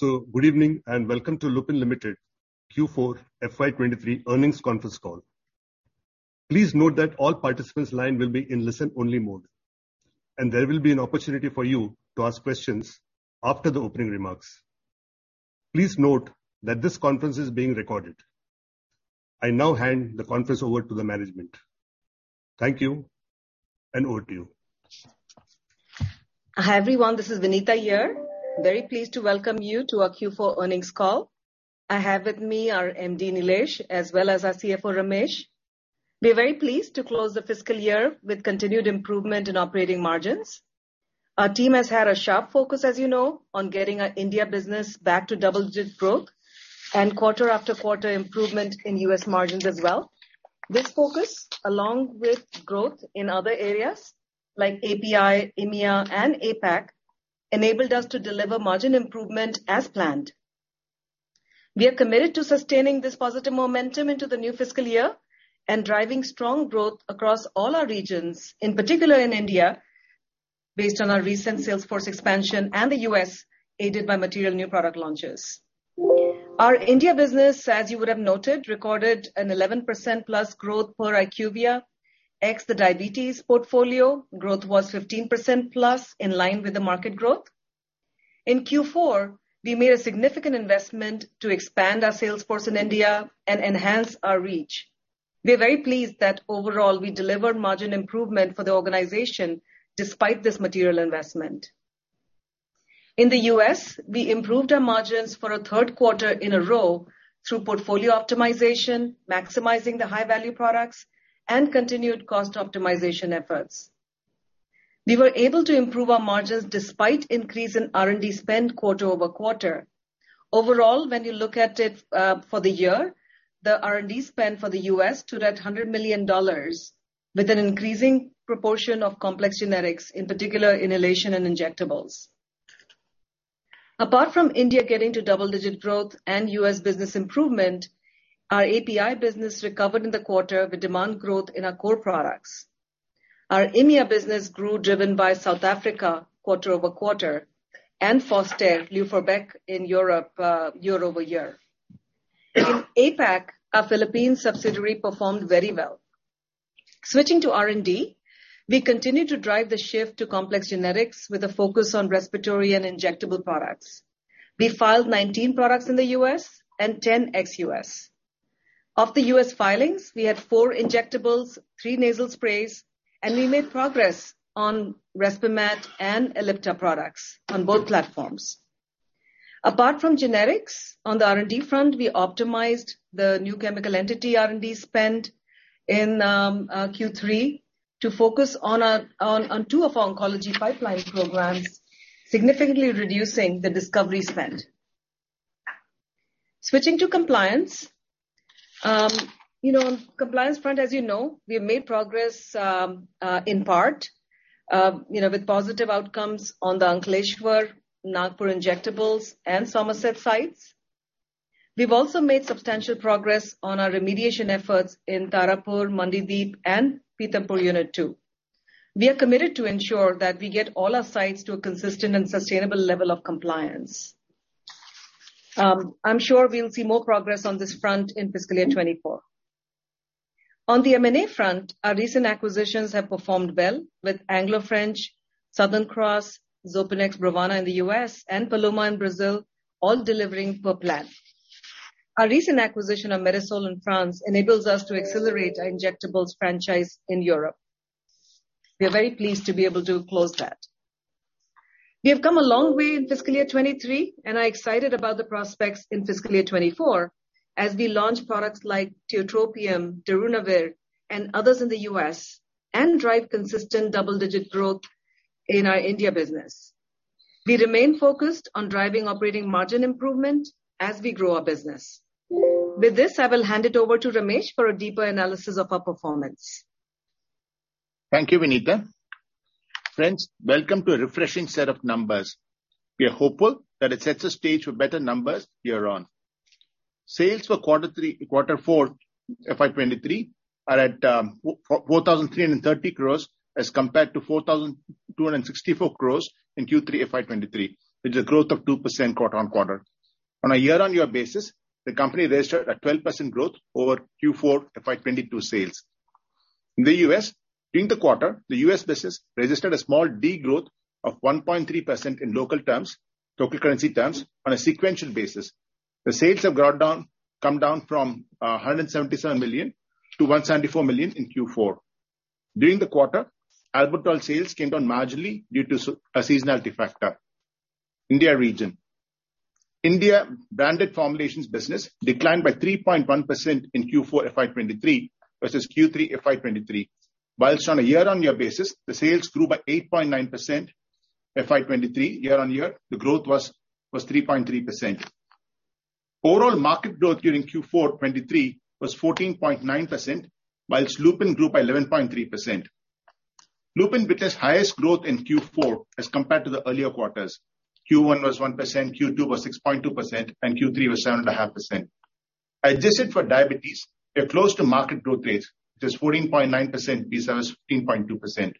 Good evening, and welcome to Lupin Limited Q4 FY 2023 earnings conference call. Please note that all participants' line will be in listen-only mode, and there will be an opportunity for you to ask questions after the opening remarks. Please note that this conference is being recorded. I now hand the conference over to the management. Thank you, over to you. Hi, everyone, this is Vinita here. Very pleased to welcome you to our Q4 earnings call. I have with me our MD, Nilesh, as well as our Chief Financial Officer, Ramesh. We are very pleased to close the fiscal year with continued improvement in operating margins. Our team has had a sharp focus, as you know, on getting our India business back to double-digit growth and quarter after quarter improvement in U.S. margins as well. This focus, along with growth in other areas like API, EMEA and APAC, enabled us to deliver margin improvement as planned. We are committed to sustaining this positive momentum into the new fiscal year and driving strong growth across all our regions. In particular in India, based on our recent sales force expansion and the U.S. aided by material new product launches. Our India business, as you would have noted, recorded an 11% plus growth per IQVIA ex the diabetes portfolio. Growth was 15% plus in line with the market growth. In Q4, we made a significant investment to expand our sales force in India and enhance our reach. We are very pleased that overall we delivered margin improvement for the organization despite this material investment. In the U.S, we improved our margins for a third quarter in a row through portfolio optimization, maximizing the high-value products, and continued cost optimization efforts. We were able to improve our margins despite increase in R&D spend quarter-over-quarter. When you look at it, for the year, the R&D spend for the U.S stood at $100 million, with an increasing proportion of complex generics, in particular inhalation and injectables. Apart from India getting to double-digit growth and U.S. business improvement, our API business recovered in the quarter with demand growth in our core products. Our EMEA business grew, driven by South Africa quarter-over-quarter and Fostair, Luforbec in Europe, year-over-year. In APAC, our Philippines subsidiary performed very well. Switching to R&D, we continue to drive the shift to complex generics with a focus on respiratory and injectable products. We filed 19 products in the U.S. and 10 ex-U.S. Of the U.S. filings, we had four injectables, three nasal sprays, and we made progress on Respimat and Ellipta products on both platforms. Apart from generics, on the R&D front, we optimized the new chemical entity R&D spend in Q3 to focus on two of our oncology pipeline programs, significantly reducing the discovery spend. Switching to compliance. You know, on compliance front, as you know, we have made progress, in part, you know, with positive outcomes on the Ankleshwar, Nagpur injectables, and Somerset sites. We've also made substantial progress on our remediation efforts in Tarapore, Mandideep, and Pithampur Unit-2. We are committed to ensure that we get all our sites to a consistent and sustainable level of compliance. I'm sure we'll see more progress on this front in fiscal year 24. On the M&A front, our recent acquisitions have performed well with Anglo-French, Southern Cross Pharma, Xopenex, Brovana in the U.S. and Paloma in Brazil, all delivering per plan. Our recent acquisition of Medisol in France enables us to accelerate our injectables franchise in Europe. We are very pleased to be able to close that. We have come a long way in fiscal year 2023, and are excited about the prospects in fiscal year 2024 as we launch products like tiotropium, darunavir, and others in the US and drive consistent double-digit growth in our India business. We remain focused on driving operating margin improvement as we grow our business. With this, I will hand it over to Ramesh for a deeper analysis of our performance. Thank you, Vinita. Friends, welcome to a refreshing set of numbers. We are hopeful that it sets the stage for better numbers year on. Sales for Q4 FY 2023 are at 4,330 crores as compared to 4,264 crores in Q3 FY 2023, with a growth of 2% quarter-on-quarter. On a year-on-year basis, the company registered a 12% growth over Q4 FY 2022 sales. In the U.S., during the quarter, the U.S. business registered a small degrowth of 1.3% in local terms, local currency terms, on a sequential basis. The sales have got down, come down from 177 million to 174 million in Q4. During the quarter, Albuterol sales came down marginally due to a seasonality factor. India region. India branded formulations business declined by 3.1% in Q4 FY 2023 versus Q3 FY 2023. On a year-on-year basis, the sales grew by 8.9% FY 2023. Year-on-year, the growth was 3.3%. Overall market growth during Q4 2023 was 14.9%, whilst Lupin grew by 11.3%. Lupin witnessed highest growth in Q4 as compared to the earlier quarters. Q1 was 1%, Q2 was 6.2%, and Q3 was 7.5%. Adjusted for diabetes, we are close to market growth rate, which is 14.9% versus 15.2%.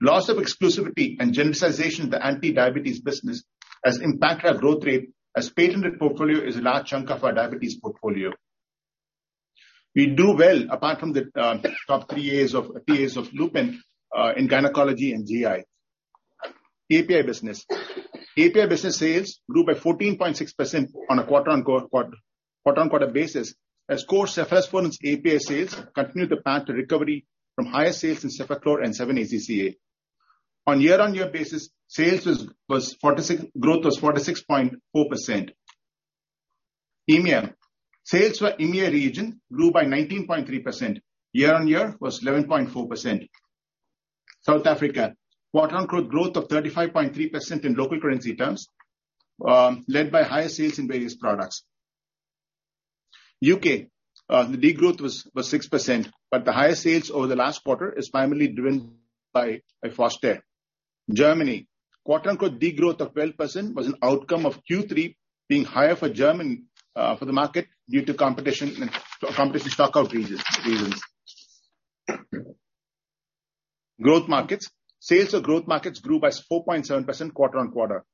Loss of exclusivity and genericization of the anti-diabetes business has impacted our growth rate as patented portfolio is a large chunk of our diabetes portfolio. We do well apart from the top three years of Lupin in gynecology and GI. API business. API business sales grew by 14.6% on a quarter-on-quarter basis as core cephalosporins API sales continued the path to recovery from higher sales in cefaclor and 7-ACCA. On year-on-year basis, growth was 46.4%. EMEA. Sales for EMEA region grew by 19.3%. Year-on-year was 11.4%. South Africa. Quarter-on-quarter growth of 35.3% in local currency terms, led by higher sales in various products. U.K. The degrowth was 6%, but the higher sales over the last quarter is primarily driven by Fostair. Germany. Quarter-on-quarter degrowth of 12% was an outcome of Q3 being higher for German, for the market due to competition and competition stockout reasons. Growth markets. Sales of growth markets grew by 4.7% quarter-on-quarter.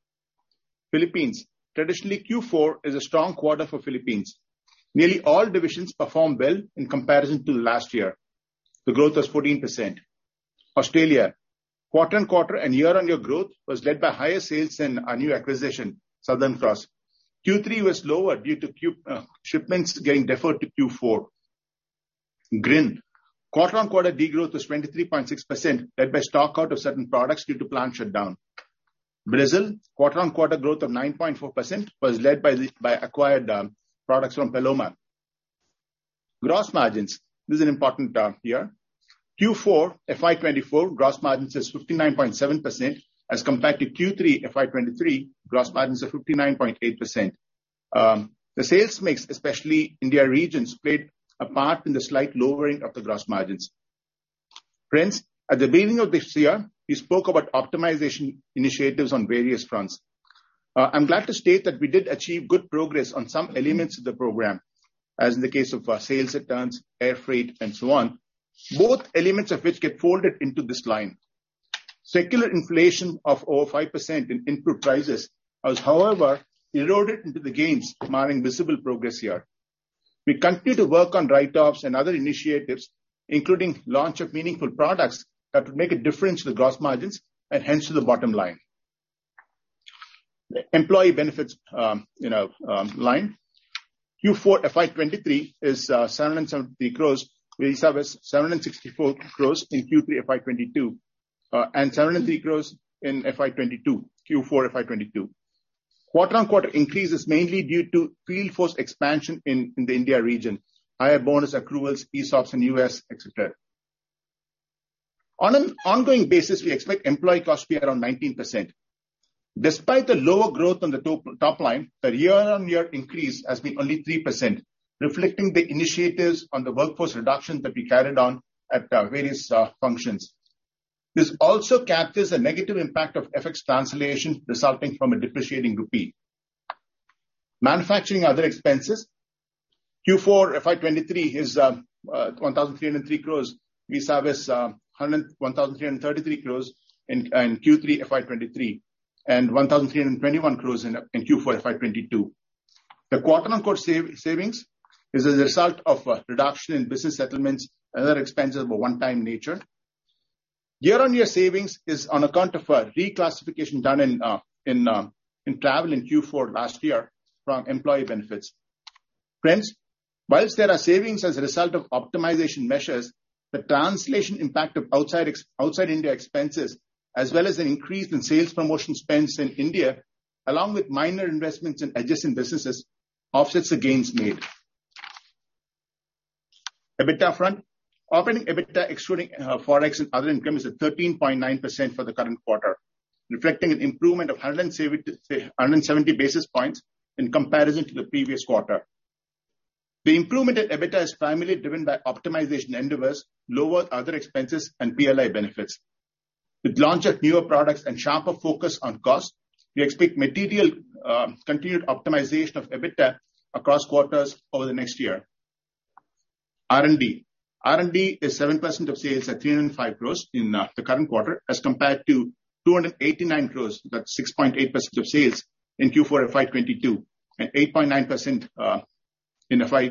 Philippines. Traditionally, Q4 is a strong quarter for Philippines. Nearly all divisions performed well in comparison to last year. The growth was 14%. Australia. Quarter-on-quarter and year-on-year growth was led by higher sales in our new acquisition, Southern Cross. Q3 was lower due to shipments getting deferred to Q4. Grin. Quarter-on-quarter degrowth was 23.6%, led by stock out of certain products due to plant shutdown. Brazil. Quarter-on-quarter growth of 9.4% was led by acquired products from Paloma. Gross margins. This is an important term here. Q4 FY 2024 gross margins is 59.7% as compared to Q3 FY 2023 gross margins of 59.8%. The sales mix, especially India regions, played a part in the slight lowering of the gross margins. Friends, at the beginning of this year, we spoke about optimization initiatives on various fronts. I'm glad to state that we did achieve good progress on some elements of the program, as in the case of sales returns, air freight and so on, both elements of which get folded into this line. Secular inflation of over 5% in input prices has, however, eroded into the gains, marring visible progress here. We continue to work on write-offs and other initiatives, including launch of meaningful products that would make a difference to the gross margins and hence to the bottom line. Employee benefits, you know, line. Q4 FY 2023 is 770 crores. We service 764 crores in Q3 FY 2022, and 703 crores in FY 2022, Q4 FY 2022. Quarter-on-quarter increase is mainly due to field force expansion in the India region. Higher bonus accruals, ESOPs in U.S, etc. On an ongoing basis, we expect employee costs to be around 19%. Despite the lower growth on the top line, the year-on-year increase has been only 3%, reflecting the initiatives on the workforce reduction that we carried on at various functions. This also captures a negative impact of FX translation resulting from a depreciating rupee. Manufacturing other expenses. Q4 FY 2023 is 1,006 crores. We service 1,333 crores in Q3 FY 2023 and 1,321 crores in Q4 FY 2022. The quarter-on-quarter savings is as a result of reduction in business settlements and other expenses of a one-time nature. Year-on-year savings is on account of a reclassification done in travel in Q4 last year from employee benefits. Friends, whilst there are savings as a result of optimization measures, the translation impact of outside India expenses, as well as an increase in sales promotion spends in India, along with minor investments in adjacent businesses, offsets the gains made. EBITDA front. Operating EBITDA excluding Forex and other income is at 13.9% for the current quarter, reflecting an improvement of 170 basis points in comparison to the previous quarter. The improvement in EBITDA is primarily driven by optimization endeavors, lower other expenses and PLI benefits. With launch of newer products and sharper focus on cost, we expect material continued optimization of EBITDA across quarters over the next year. R&D. R&D is 7% of sales at 305 crores in the current quarter as compared to 289 crores, that's 6.8% of sales, in Q4 FY 2022, and 8.9% in Q4 FY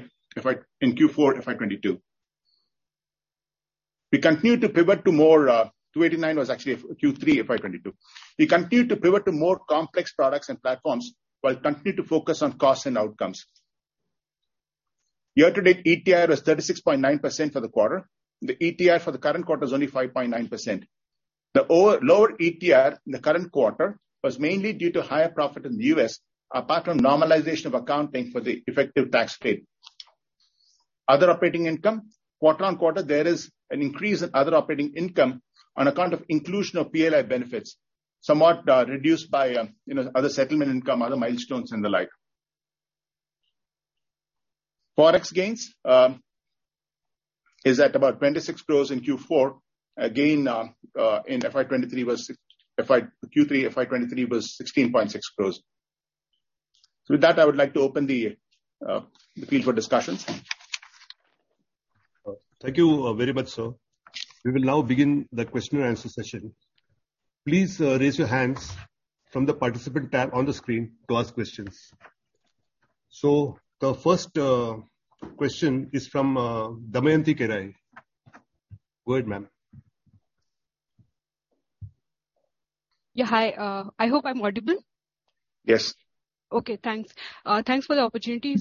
2022. We continue to pivot to more, 289 was actually Q3 FY 2022. We continue to pivot to more complex products and platforms while continue to focus on costs and outcomes. Year to date, ETR was 36.9% for the quarter. The ETR for the current quarter is only 5.9%. The lower ETR in the current quarter was mainly due to higher profit in the US apart from normalization of accounting for the effective tax rate. Other operating income. Quarter-on-quarter, there is an increase in other operating income on account of inclusion of PLI benefits, somewhat reduced by, you know, other settlement income, other milestones and the like. Forex gains is at about 26 crores in Q4. Again, in Q3 FY 2023 was 16.6 crores. With that, I would like to open the field for discussions. Thank you very much, sir. We will now begin the question and answer session. Please, raise your hands from the participant tab on the screen to ask questions. The first, question is from, Damayanti Kerai. Go ahead, ma'am. Yeah, hi. I hope I'm audible. Yes. Okay, thanks. Thanks for the opportunity.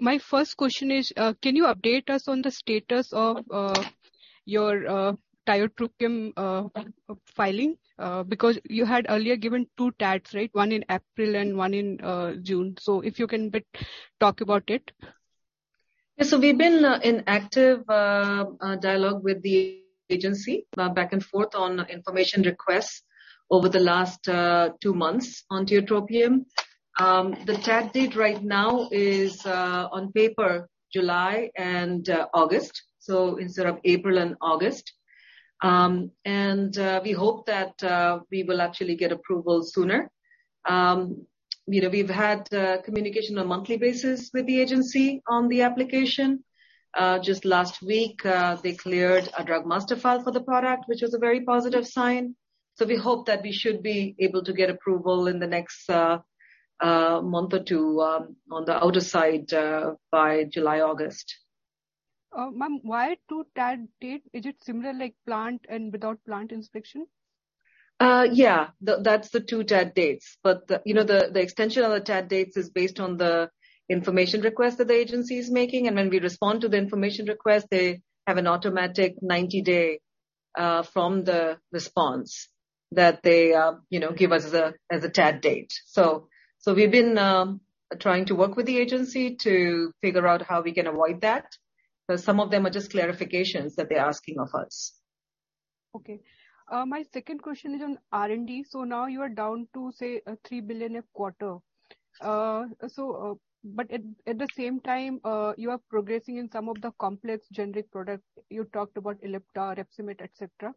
My first question is, can you update us on the status of your tiotropium filing? Because you had earlier given two TADs, right? One in April and one in June. If you can talk about it. Yeah. We've been in active dialogue with the agency back and forth on information requests over the last two months on tiotropium. The TAD date right now is on paper, July and August, instead of April and August. We hope that we will actually get approval sooner. You know, we've had communication on a monthly basis with the agency on the application. Just last week, they cleared a drug master file for the product, which is a very positive sign. We hope that we should be able to get approval in the next month or two on the outer side by July, August. Ma'am, why two TAD date? Is it similar like plant and without plant inspection? Yeah. That's the two TAD dates. You know, the extension of the TAD dates is based on the information request that the agency is making. When we respond to the information request, they have an automatic 90-day from the response that they, you know, give us as a, as a TAD date. We've been trying to work with the agency to figure out how we can avoid that. Some of them are just clarifications that they're asking of us. Okay. My second question is on R&D. Now you are down to, say, 3 billion a quarter. But at the same time, you are progressing in some of the complex generic products. You talked about Ellipta, Respimat, etc..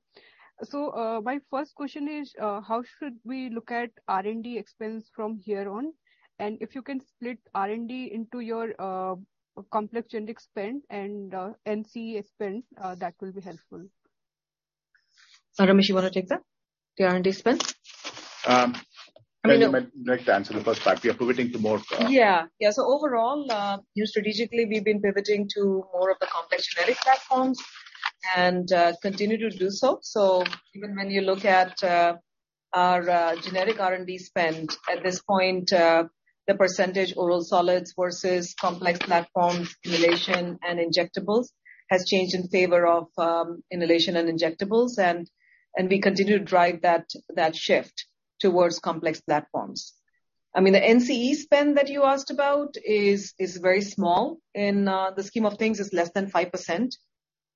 My first question is, how should we look at R&D expense from here on? If you can split R&D into your complex generic spend and NCE spend, that will be helpful. Ramesh, you wanna take that, the R&D spend? Maybe I might like to answer the first part. We are pivoting to more, Yeah. Overall, you know, strategically, we've been pivoting to more of the complex generic platforms and continue to do so. Even when you look at our generic R&D spend, at this point, the percentage oral solids versus complex platforms, inhalation and injectables has changed in favor of inhalation and injectables. We continue to drive that shift towards complex platforms. I mean, the NCE spend that you asked about is very small. In the scheme of things, it's less than 5%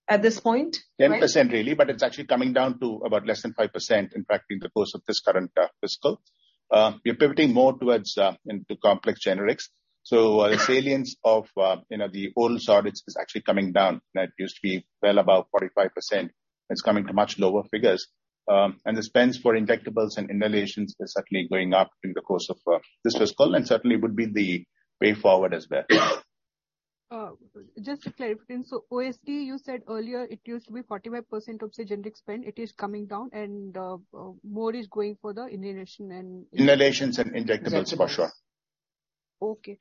at this point, right? 10% really, it's actually coming down to about less than 5%, in fact, in the course of this current fiscal. We are pivoting more towards into complex generics. The salience of, you know, the oral solids is actually coming down. That used to be well above 45%. It's coming to much lower figures. The spends for injectables and inhalations is certainly going up in the course of this fiscal, and certainly would be the way forward as well. Just a clarification. OST, you said earlier it used to be 45% of the generic spend. It is coming down and, more is going for the inhalation. Inhalations and injectables, for sure. Okay.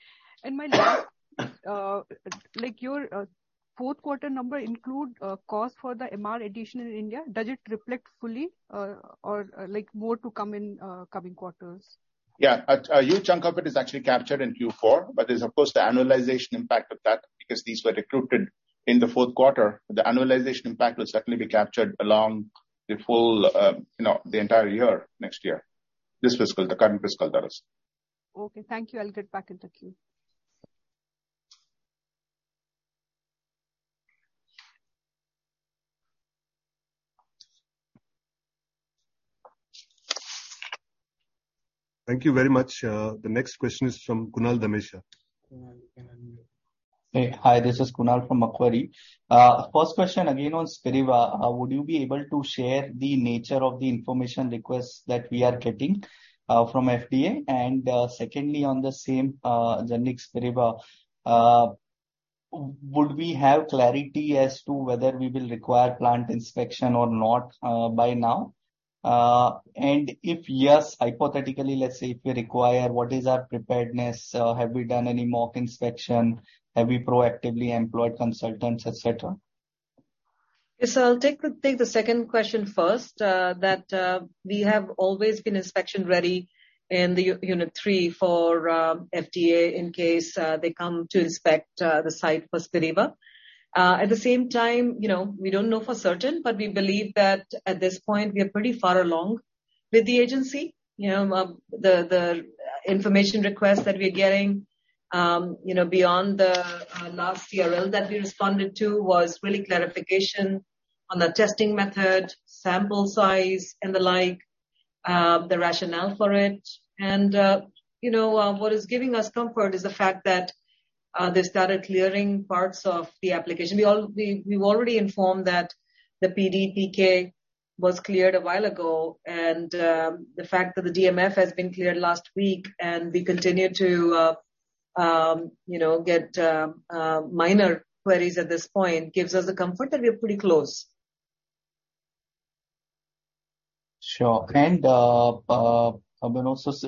like your fourth quarter number include cost for the MR addition in India. Does it reflect fully or like more to come in coming quarters? Yeah. A huge chunk of it is actually captured in Q4. As opposed to annualization impact of that, because these were recruited in the fourth quarter. The annualization impact will certainly be captured along the full, you know, the entire year next year. This fiscal, the current fiscal that is. Okay, thank you. I'll get back into queue. Thank you very much. The next question is from Kunal Dhamesha. Hey. Hi, this is Kunal from Macquarie. First question again on Spiriva. Would you be able to share the nature of the information requests that we are getting from FDA? Secondly, on the same generic Spiriva, would we have clarity as to whether we will require plant inspection or not by now? If yes, hypothetically, let's say if we require, what is our preparedness? Have we done any mock inspection? Have we proactively employed consultants, etc.? I'll take the second question first, that we have always been inspection-ready in unit three for FDA in case they come to inspect the site for Spiriva. At the same time, you know, we don't know for certain, but we believe that at this point we are pretty far along with the agency. You know, the information request that we're getting, you know, beyond the last CRL that we responded to was really clarification on the testing method, sample size and the like, the rationale for it. You know, what is giving us comfort is the fact that they started clearing parts of the application. We've already informed that the PDPK was cleared a while ago, and the fact that the DMF has been cleared last week, and we continue to, you know, get minor queries at this point gives us the comfort that we are pretty close. Sure. Vinita,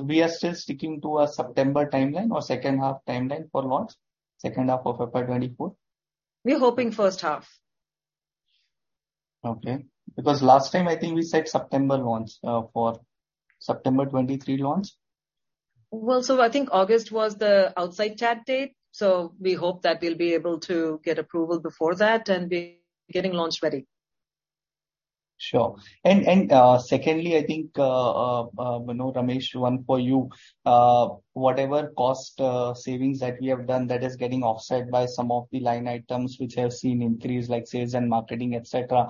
we are still sticking to a September timeline or second half timeline for launch, second half of FY 2024? We're hoping first half. Okay. Last time I think we said September launch, for September 2023 launch. I think August was the outside chat date. We hope that we'll be able to get approval before that, and we're getting launch ready. Sure. Secondly, I think, you know, Ramesh, one for you. Whatever cost, savings that we have done that is getting offset by some of the line items which have seen increase, like sales and marketing, et cetera.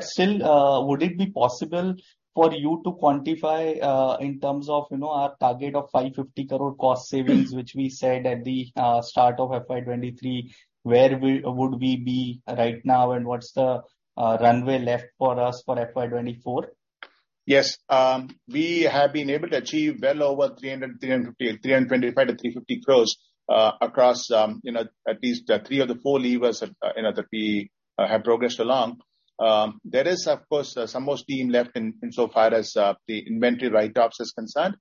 Still, would it be possible for you to quantify, in terms of, you know, our target of 550 crore cost savings, which we said at the start of FY 2023, where we would be right now and what's the runway left for us for FY 2024? Yes. We have been able to achieve well over 300, 350, 325 to 350 crores across, at least, three of the four levers that we have progressed along. There is of course, some more steam left in, insofar as, the inventory write-offs is concerned.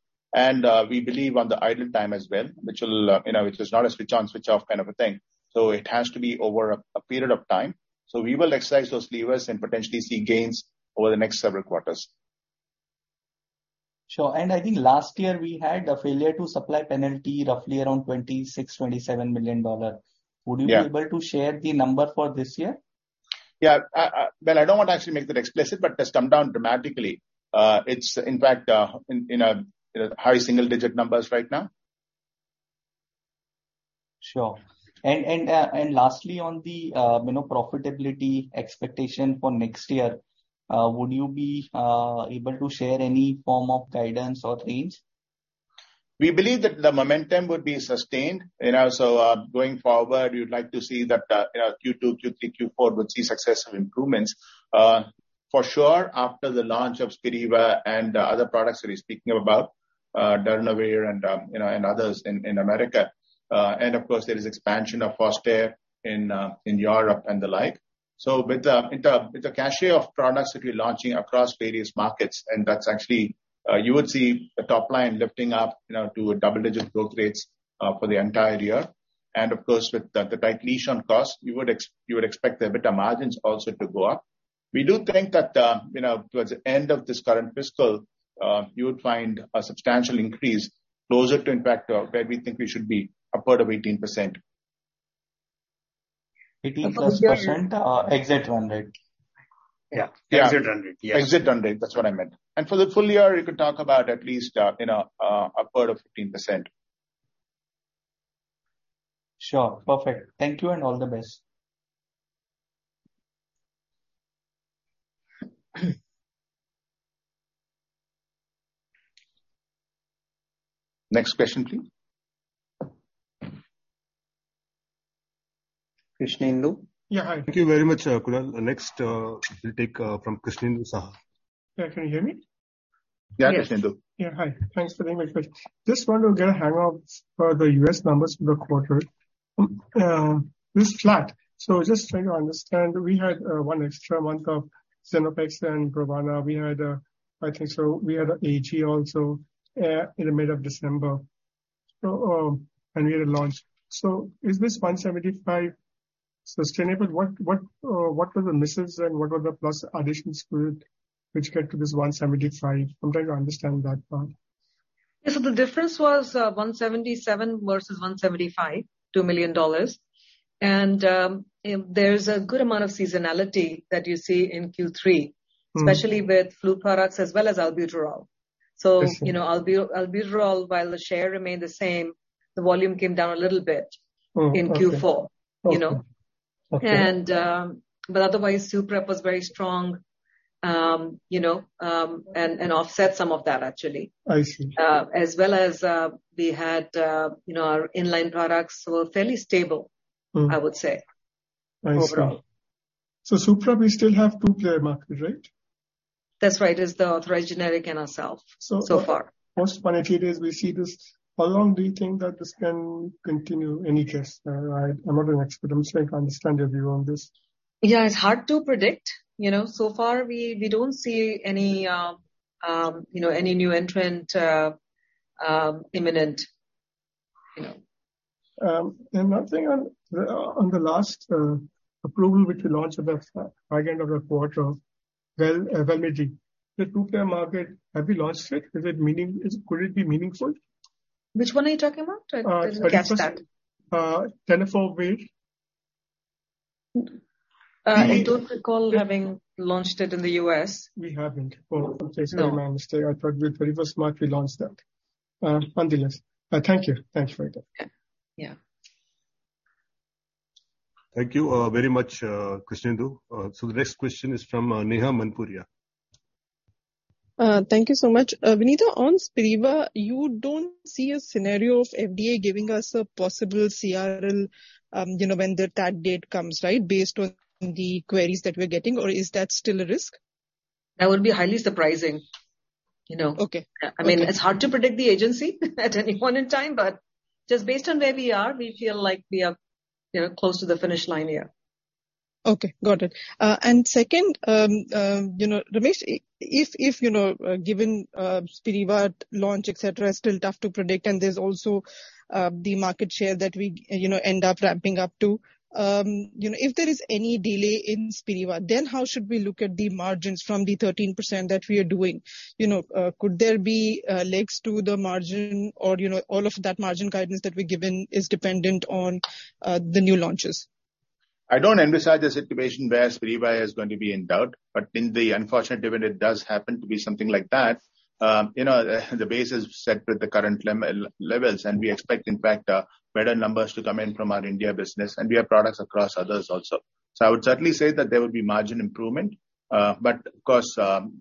We believe on the idle time as well, which will, it is not a switch on, switch off kind of a thing, so it has to be over a period of time. We will exercise those levers and potentially see gains over the next several quarters. Sure. I think last year we had a failure to supply penalty roughly around $26 million-$27 million. Yeah. Would you be able to share the number for this year? Well, I don't want to actually make that explicit, but it has come down dramatically. It's in fact, in a high single digit numbers right now. Sure. Lastly, on the, you know, profitability expectation for next year, would you be able to share any form of guidance or range? We believe that the momentum would be sustained. You know, going forward, we would like to see that, you know, Q2, Q3, Q4 would see success of improvements. For sure after the launch of Spiriva and the other products that he's speaking about, darunavir and, you know, and others in America. And of course, there is expansion of Fostair in Europe and the like. With the cachet of products that we're launching across various markets, and that's actually, you would see the top line lifting up, you know, to a double-digit growth rates, for the entire year. And of course, with the tight leash on costs, you would expect the EBITDA margins also to go up. We do think that, you know, towards the end of this current fiscal, you would find a substantial increase closer to in fact, where we think we should be, upward of 18%. 18% or exit run rate? Yeah. Yeah. Exit run rate. Yes. Exit run rate, that's what I meant. For the full year, you could talk about at least, you know, upward of 15%. Sure. Perfect. Thank you and all the best. Next question, please. Krishnendu? Yeah. Hi. Thank you very much, Kunal. Next, we'll take from Krishnendu Saha. Yeah. Can you hear me? Yeah, Krishnendu. Hi. Thanks for being with us. Just want to get a hang of for the U.S. numbers for the quarter. It's flat. Just trying to understand, we had one extra month of Zinplex and Brovana. We had, I think so we had AG also in the middle of December. We had a launch. Is this $175 million sustainable? What were the misses and what were the plus additions to it which get to this $175 million? I'm trying to understand that part. Yeah. The difference was 177 versus 175, $2 million. There's a good amount of seasonality that you see in Q3.especially with flu products as well as Albuterol. I see. Albuterol, while the share remained the same, the volume came down a little bit. Okay. In Q4, you know. Okay. Otherwise, Suprax was very strong, you know, and offset some of that actually. I see. As well as, we had, you know, our in-line products were fairly stable. I would say overall. I see. Suprax, we still have two-player market, right? That's right. It's the authorized generic and ourselves- So- so far. Most financial days we see this. How long do you think that this can continue any case? I'm not an expert. I'm just trying to understand your view on this. Yeah, it's hard to predict. You know, far we don't see any, you know, any new entrant, imminent, you know. One thing on the last approval which you launched at the beginning of the quarter, Velezy. The two-player market, have you launched it? Is it, could it be meaningful? Which one are you talking about? I, there's a few- Tenofovir. I don't recall having launched it in the U.S. We haven't. Oh, okay. No. My mistake. I thought we, very first month we launched that. Nonetheless, thank you. Thanks for your time. Thank you, very much, Krishnendu. The next question is from Neha Manpuria. Thank you so much. Vinita, on Spiriva, you don't see a scenario of FDA giving us a possible CRL, you know, when the tag date comes, right, based on the queries that we're getting or is that still a risk? That would be highly surprising, you know. Okay. Okay. I mean, it's hard to predict the agency at any point in time, but just based on where we are, we feel like we are, you know, close to the finish line, yeah. Okay. Got it. And second, Ramesh, given Spiriva launch, et cetera, is still tough to predict and there's also the market share that we end up ramping up to. If there is any delay in Spiriva, then how should we look at the margins from the 13% that we are doing? Could there be leaks to the margin or all of that margin guidance that we've given is dependent on the new launches? I don't emphasize the situation where Spiriva is going to be in doubt, but in the unfortunate event it does happen to be something like that, you know, the base is set with the current levels, and we expect in fact, better numbers to come in from our India business and we have products across others also. I would certainly say that there will be margin improvement, of course,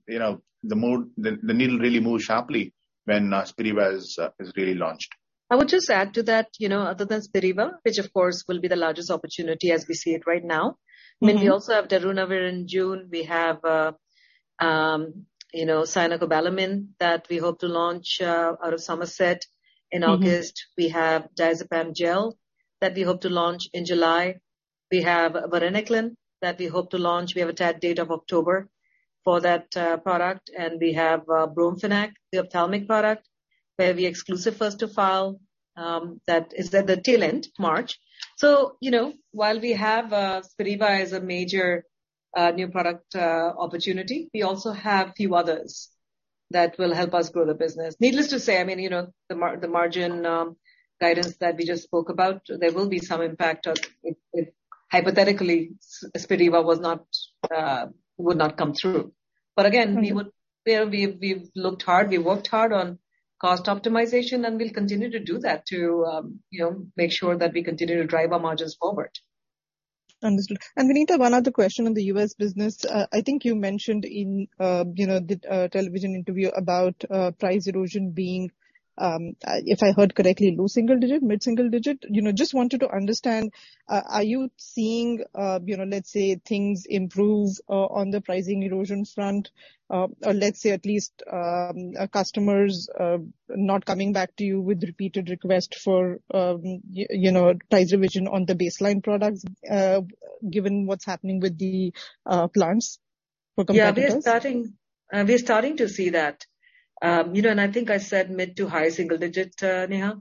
you know, the needle really moves sharply when Spiriva is really launched. I would just add to that, you know, other than Spiriva, which of course will be the largest opportunity as we see it right now. I mean, we also have darunavir in June. We have, you know, cyanocobalamin that we hope to launch out of Somerset in August. We have diazepam gel that we hope to launch in July. We have varenicline that we hope to launch. We have a tag date of October for that product. We have bromfenac, the ophthalmic product, where we exclusive first to file, that is at the tail end, March. You know, while we have Spiriva as a major new product opportunity, we also have few others that will help us grow the business. Needless to say, I mean, you know, the margin guidance that we just spoke about, there will be some impact of if hypothetically Spiriva was not would not come through. Again, we would. You know, we've looked hard, we've worked hard on cost optimization. We'll continue to do that to, you know, make sure that we continue to drive our margins forward. Understood. Vinita, one other question on the U.S business. I think you mentioned in, you know, the television interview about price erosion being, if I heard correctly, low single digit, mid single digit. You know, just wanted to understand, are you seeing, you know, let's say things improve on the pricing erosion front? Or let's say at least customers not coming back to you with repeated requests for, you know, price revision on the baseline products, given what's happening with the plans for competitors? Yeah, we are starting to see that. You know, I think I said mid to high single digit, Neha.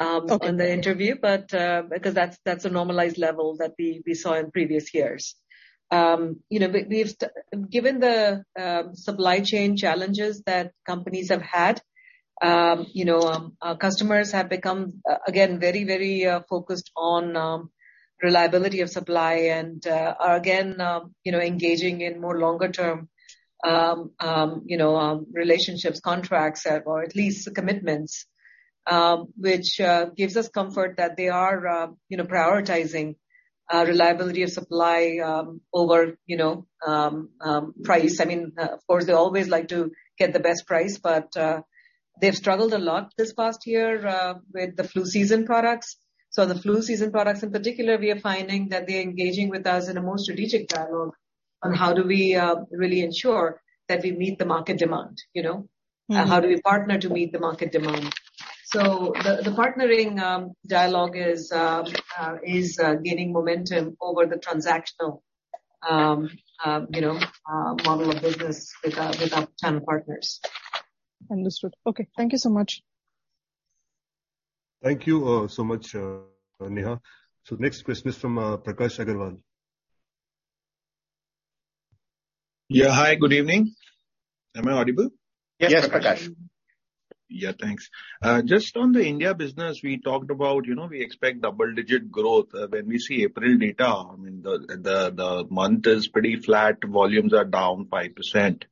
Okay In the interview, but because that's a normalized level that we saw in previous years. You know, we've Given the supply chain challenges that companies have had, you know, our customers have become again, very, very focused on reliability of supply and are again, you know, engaging in more longer term, you know, relationships, contracts or at least commitments, which gives us comfort that they are, you know, prioritizing reliability of supply, over, you know, price. I mean, of course, they always like to get the best price, but they've struggled a lot this past year, with the flu season products. The flu season products in particular, we are finding that they are engaging with us in a more strategic dialogue on how do we really ensure that we meet the market demand, you know. How do we partner to meet the market demand? The partnering dialogue is gaining momentum over the transactional, you know, model of business with our channel partners. Understood. Okay. Thank you so much. Thank you so much, Neha. Next question is from Prakash Agarwal. Yeah. Hi, good evening. Am I audible? Yes, Prakash. Yes. Yeah, thanks. Just on the India business, we talked about, you know, we expect double-digit growth. When we see April data, I mean the, the month is pretty flat, volumes are down 5%.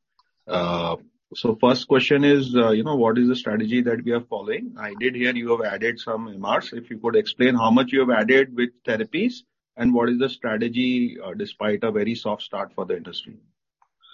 First question is, you know, what is the strategy that we are following? I did hear you have added some MRs. If you could explain how much you have added with therapies and what is the strategy, despite a very soft start for the industry?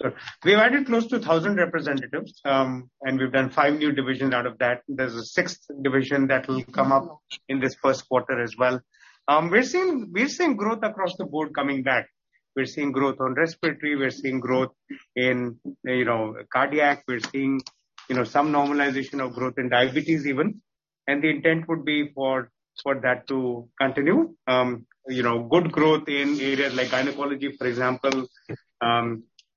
Sure. We've added close to 1,000 representatives, and we've done five new divisions out of that. There's a sixth division that will come up in this first quarter as well. We're seeing growth across the board coming back. We're seeing growth on respiratory. We're seeing growth in, you know, cardiac. We're seeing, you know, some normalization of growth in diabetes even. The intent would be for that to continue. You know, good growth in areas like gynecology, for example.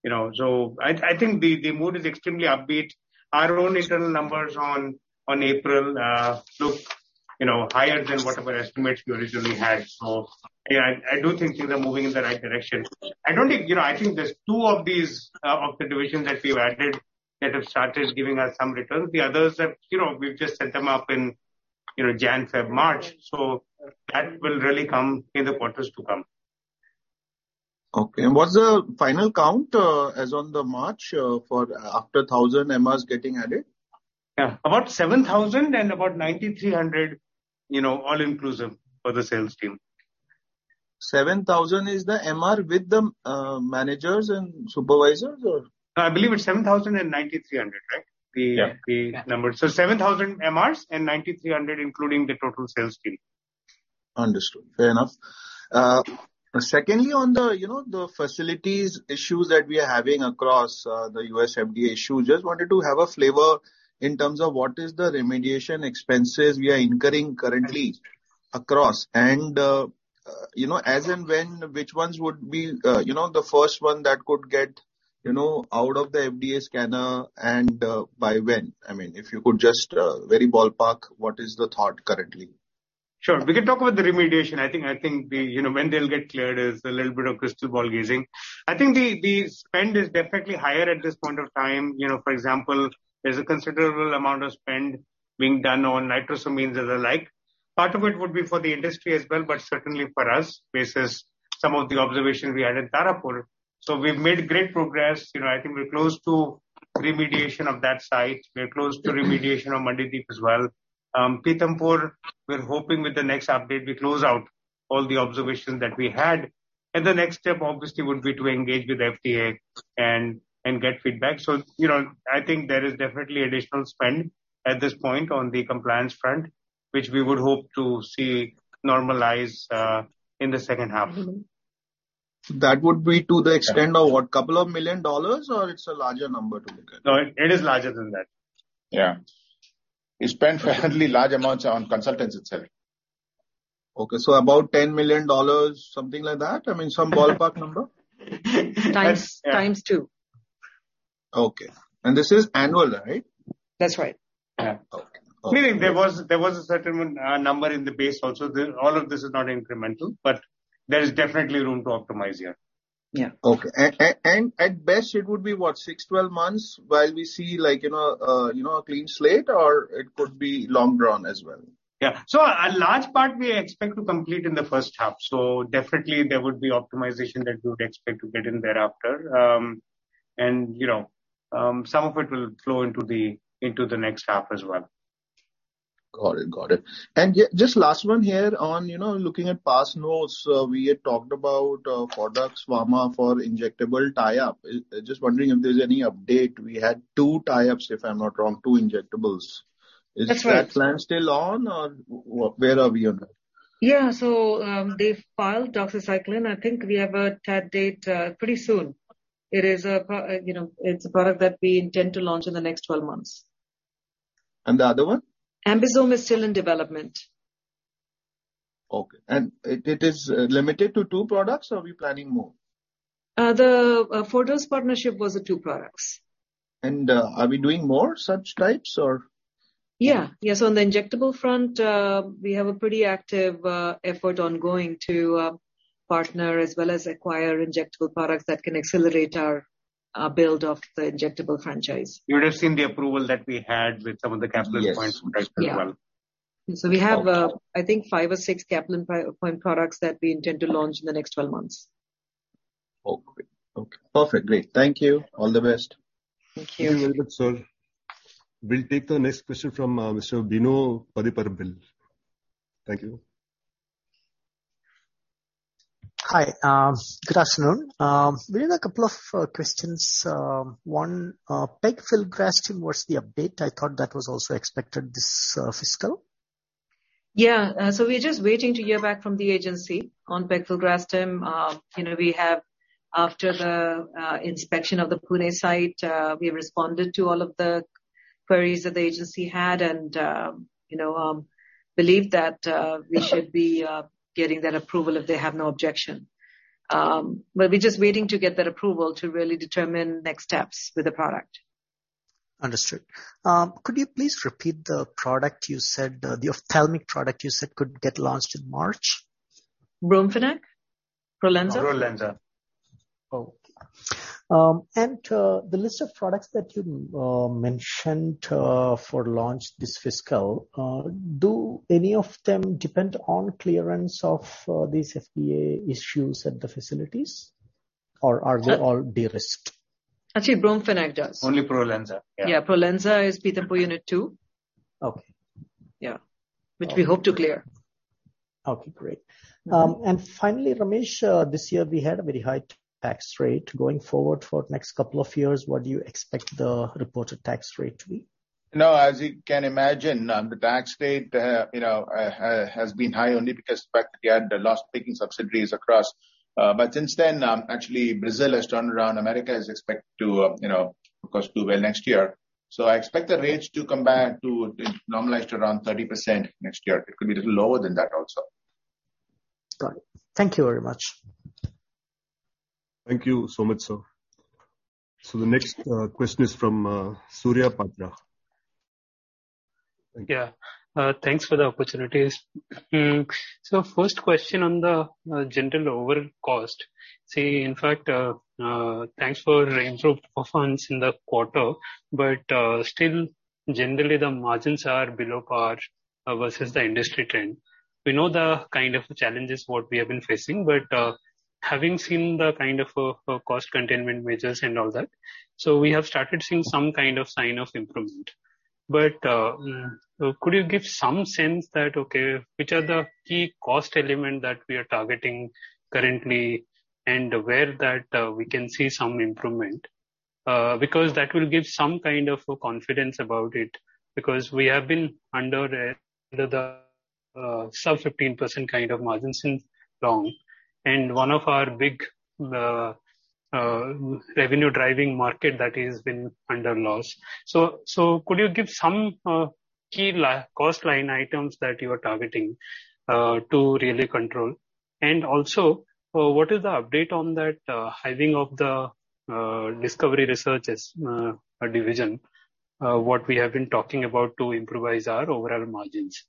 You know, I think the mood is extremely upbeat. Our own internal numbers on April look, you know, higher than whatever estimates we originally had. Yeah, I do think things are moving in the right direction. I don't think, you know, I think there's two of these of the divisions that we've added that have started giving us some returns. The others have, you know, we've just set them up in, you know, January, February, March. That will really come in the quarters to come. Okay. What's the final count as on the March for after 1,000 MRs getting added? Yeah. About 7,000 and about 9,300, you know, all inclusive for the sales team. 7,000 is the MR with the managers and supervisors, or? No, I believe it's 7,000 and 9,300, right? The number. Yeah. 7,000 MRs and 9,300 including the total sales team. Understood. Fair enough. Secondly, on the, you know, the facilities issues that we are having across, the US FDA issue, just wanted to have a flavor in terms of what is the remediation expenses we are incurring currently across and, you know, which ones would be, you know, the first one that could get, you know, out of the FDA scanner and, by when? I mean, if you could just, very ballpark, what is the thought currently? Sure. We can talk about the remediation. I think the, you know, when they'll get cleared is a little bit of crystal ball gazing. I think the spend is definitely higher at this point of time. You know, for example, there's a considerable amount of spend being done on nitrosamines and the like. Part of it would be for the industry as well, but certainly for us, basis some of the observations we had in Tarapore. We've made great progress. You know, I think we're close to remediation of that site. We're close to remediation on Mandideep as well. Pithampur, we're hoping with the next update we close out all the observations that we had. The next step obviously would be to engage with FDA and get feedback. You know, I think there is definitely additional spend at this point on the compliance front, which we would hope to see normalize in the second half. That would be to the extent of what? Couple of million dollars or it's a larger number to look at? No, it is larger than that. Yeah. We spend fairly large amounts on consultants itself. Okay, about $10 million, something like that? I mean, some ballpark number. 2x. Okay. This is annual, right? That's right. Yeah. Okay. Meaning there was a certain number in the base also. All of this is not incremental, but there is definitely room to optimize, yeah. Yeah. Okay. At best it would be what, six-12 months while we see like, you know, you know, a clean slate, or it could be long drawn as well? Yeah. A large part we expect to complete in the first half, definitely there would be optimization that we would expect to get in thereafter. You know, some of it will flow into the next half as well. Got it. Just last one here on, you know, looking at past notes, we had talked about Fareva for injectable tie-up. Just wondering if there's any update. We had two tie-ups, if I'm not wrong, two injectables. That's right. Is that plan still on or where are we on that? Yeah. They filed doxycycline. I think we have a TAD date pretty soon. It is, you know, a product that we intend to launch in the next 12 months. The other one? AmBisome is still in development. Okay. It is limited to two products or are we planning more? The Fareva partnership was the two products. Are we doing more such types or? Yeah. Yeah, on the injectable front, we have a pretty active effort ongoing to partner as well as acquire injectable products that can accelerate our build of the injectable franchise. You would have seen the approval that we had with some of the Caplan points... Yes. as well. Yeah. We have, I think five or six Caplan point products that we intend to launch in the next 12 months. Okay. Okay. Perfect. Great. Thank you. All the best. Thank you. Thank you very much, sir. We'll take the next question from Mr. Bino Pathiparampil. Thank you. Hi. Good afternoon. We have a couple of questions. one pegfilgrastim, what's the update? I thought that was also expected this fiscal. Yeah. We're just waiting to hear back from the agency on pegfilgrastim. You know, we have, after the inspection of the Pune site, we responded to all of the queries that the agency had and, you know, believe that we should be getting that approval if they have no objection. We're just waiting to get that approval to really determine next steps with the product. Understood. Could you please repeat the product you said, the ophthalmic product you said could get launched in March? Bromfenac? Prolensa? Prolensa. Oh. The list of products that you mentioned for launch this fiscal, do any of them depend on clearance of these FDA issues at the facilities or are they all de-risked? Actually, Bromfenac does. Only Prolensa. Yeah. Yeah, Prolensa is Pithampur Unit-2. Okay. Yeah. Which we hope to clear. Okay, great. Finally, Ramesh, this year we had a very high tax rate. Going forward for next couple of years, what do you expect the reported tax rate to be? As you can imagine, the tax rate, you know, has been high only because factory had loss-making subsidiaries across. Since then, actually Brazil has turned around. America is expected to, you know, of course, do well next year. I expect the rates to come back to normalize to around 30% next year. It could be a little lower than that also. Got it. Thank you very much. Thank you so much, sir. The next question is from Surya Patra. Yeah. Thanks for the opportunities. First question on the general overall cost. See, in fact, thanks for improved performance in the quarter, but, still generally the margins are below par versus the industry trend. We know the kind of challenges what we have been facing, but, Having seen the kind of cost containment measures and all that, so we have started seeing some kind of sign of improvement. Could you give some sense that, okay, which are the key cost element that we are targeting currently, and where that we can see some improvement? Because that will give some kind of a confidence about it, because we have been under the, sub 15% kind of margin since long, and one of our big revenue driving market that has been under loss. Could you give some key cost line items that you are targeting to really control? Also, what is the update on that halving of the discovery research as a division, what we have been talking about to improvise our overall margins.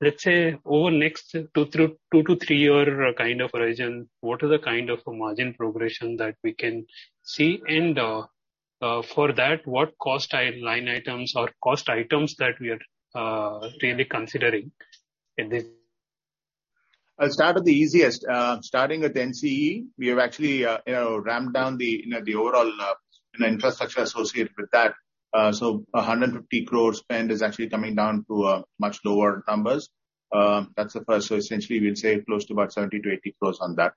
Let's say over next two to three-year kind of horizon, what is the kind of margin progression that we can see? For that, what cost item, line items or cost items that we are really considering in this? I'll start with the easiest. Starting with NCE, we have actually, you know, ramped down the, you know, the overall infrastructure associated with that. 150 crores spend is actually coming down to much lower numbers. That's the first. Essentially, we'd save close to about 70-80 crores on that.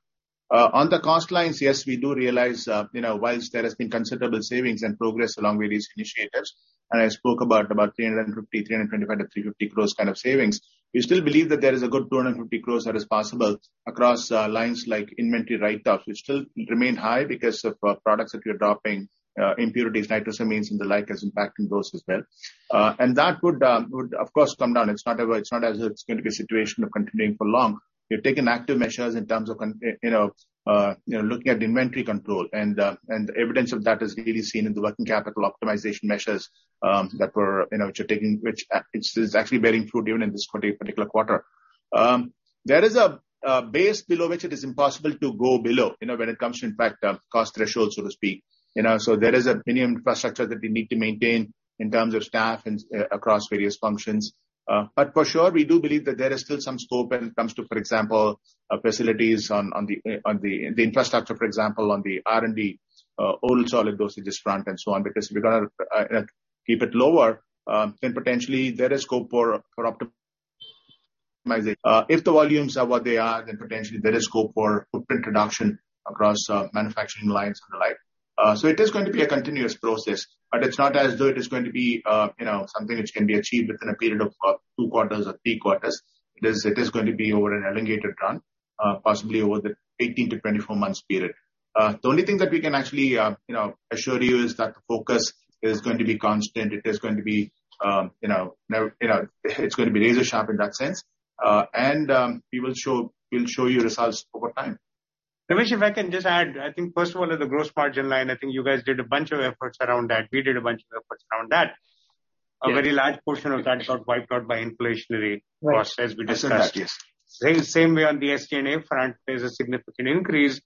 On the cost lines, yes, we do realize, you know, whilst there has been considerable savings and progress along with these initiatives, and I spoke about 350, 325 crore-350 crore kind of savings, we still believe that there is a good 250 crore that is possible across lines like inventory write-offs, which still remain high because of products that we are dropping, impurities, nitrosamines and the like is impacting those as well. That would of course come down. It's not as if it's going to be a situation of continuing for long. We've taken active measures in terms of, you know, looking at inventory control. Evidence of that is really seen in the working capital optimization measures that were, you know, which is actually bearing fruit even in this quarter, particular quarter. There is a base below which it is impossible to go below, you know, when it comes to in fact, cost threshold, so to speak. There is a minimum infrastructure that we need to maintain in terms of staff and across various functions. For sure, we do believe that there is still some scope when it comes to, for example, facilities on the infrastructure, for example, on the R&D, oral solid dosages front and so on. If we're gonna keep it lower, then potentially there is scope for optimization. If the volumes are what they are, then potentially there is scope for footprint reduction across manufacturing lines and the like. It is going to be a continuous process, but it's not as though it is going to be, you know, something which can be achieved within a period of two quarters or three quarters. It is going to be over an elongated run, possibly over the 18 to 24 months period. The only thing that we can actually, you know, assure you is that the focus is going to be constant. It is going to be, you know, it's going to be razor sharp in that sense. We'll show you results over time. Ramesh, if I can just add. I think first of all at the gross margin line, I think you guys did a bunch of efforts around that. We did a bunch of efforts around that. Yes. A very large portion of that got wiped out by inflationary costs as we discussed. Same way on the SD&A front, there's a significant increase.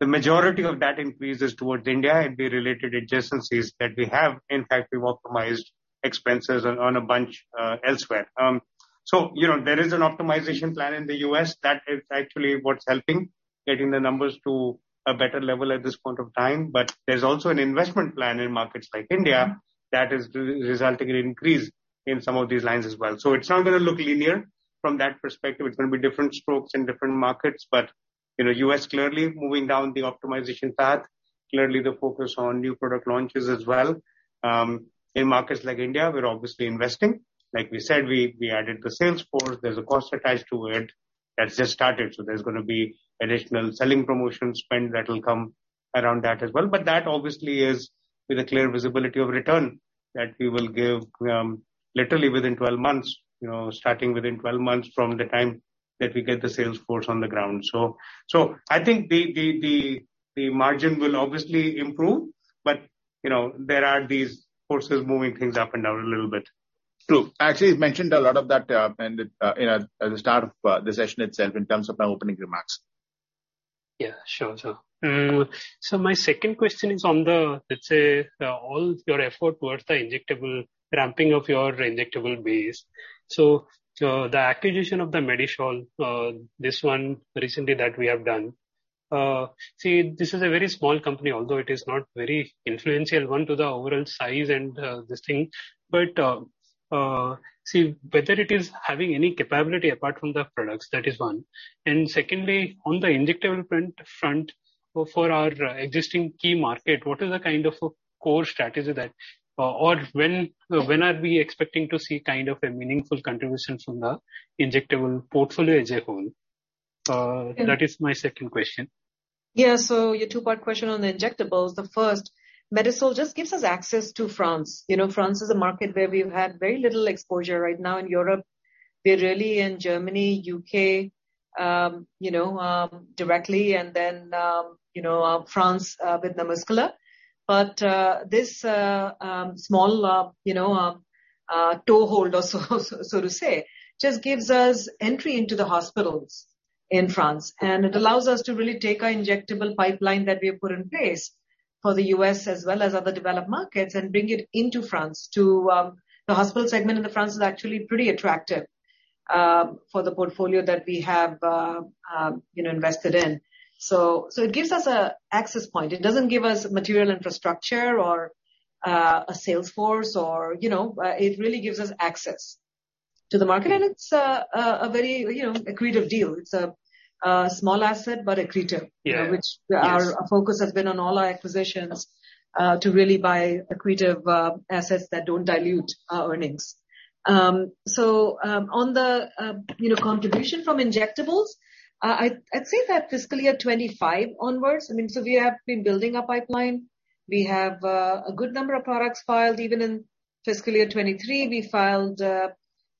The majority of that increase is towards India and the related adjacencies that we have. In fact, we've optimized expenses on a bunch elsewhere. You know, there is an optimization plan in the U.S that is actually what's helping getting the numbers to a better level at this point of time. There's also an investment plan in markets like India that is resulting in increase in some of these lines as well. It's not gonna look linear from that perspective. It's gonna be different strokes in different markets. You know, U.S clearly moving down the optimization path. Clearly the focus on new product launches as well. In markets like India, we're obviously investing. Like we said, we added the sales force. There's a cost attached to it. That's just started, so there's gonna be additional selling promotion spend that will come around that as well. That obviously is with a clear visibility of return that we will give, literally within 12 months. You know, starting within 12 months from the time that we get the sales force on the ground. I think the margin will obviously improve, but, you know, there are these forces moving things up and down a little bit. True. Actually, I mentioned a lot of that, when the, you know, at the start of the session itself in terms of my opening remarks. Yeah, sure. My second question is on the, let's say, all your effort towards the injectable ramping of your injectable base. The acquisition of the Medisol, this one recently that we have done. See, this is a very small company, although it is not very influential one to the overall size and this thing. See whether it is having any capability apart from the products, that is one. Secondly, on the injectable front for our existing key market, what is the kind of a core strategy that, or when are we expecting to see kind of a meaningful contribution from the injectable portfolio as a whole? That is my second question. Yeah. Your two-part question on the injectables. The first, Medisol just gives us access to France. You know, France is a market where we've had very little exposure. Right now in Europe, we're really in Germany, U.K., you know, directly, and then, you know, France with the Muscula. This small, you know, toe hold or so to say, just gives us entry into the hospitals in France. It allows us to really take our injectable pipeline that we have put in place for the U.S. as well as other developed markets, and bring it into France to the hospital segment in France is actually pretty attractive for the portfolio that we have, you know, invested in. It gives us an access point. It doesn't give us material infrastructure or a sales force or, you know, it really gives us access to the market and it's a very, you know, accretive deal. It's a small asset, but accretive. Yeah. Yes. Our focus has been on all our acquisitions to really buy accretive assets that don't dilute our earnings. On the, you know, contribution from injectables, I'd say that fiscal year 25 onwards, I mean, we have been building a pipeline. We have a good number of products filed even in fiscal year 23. We filed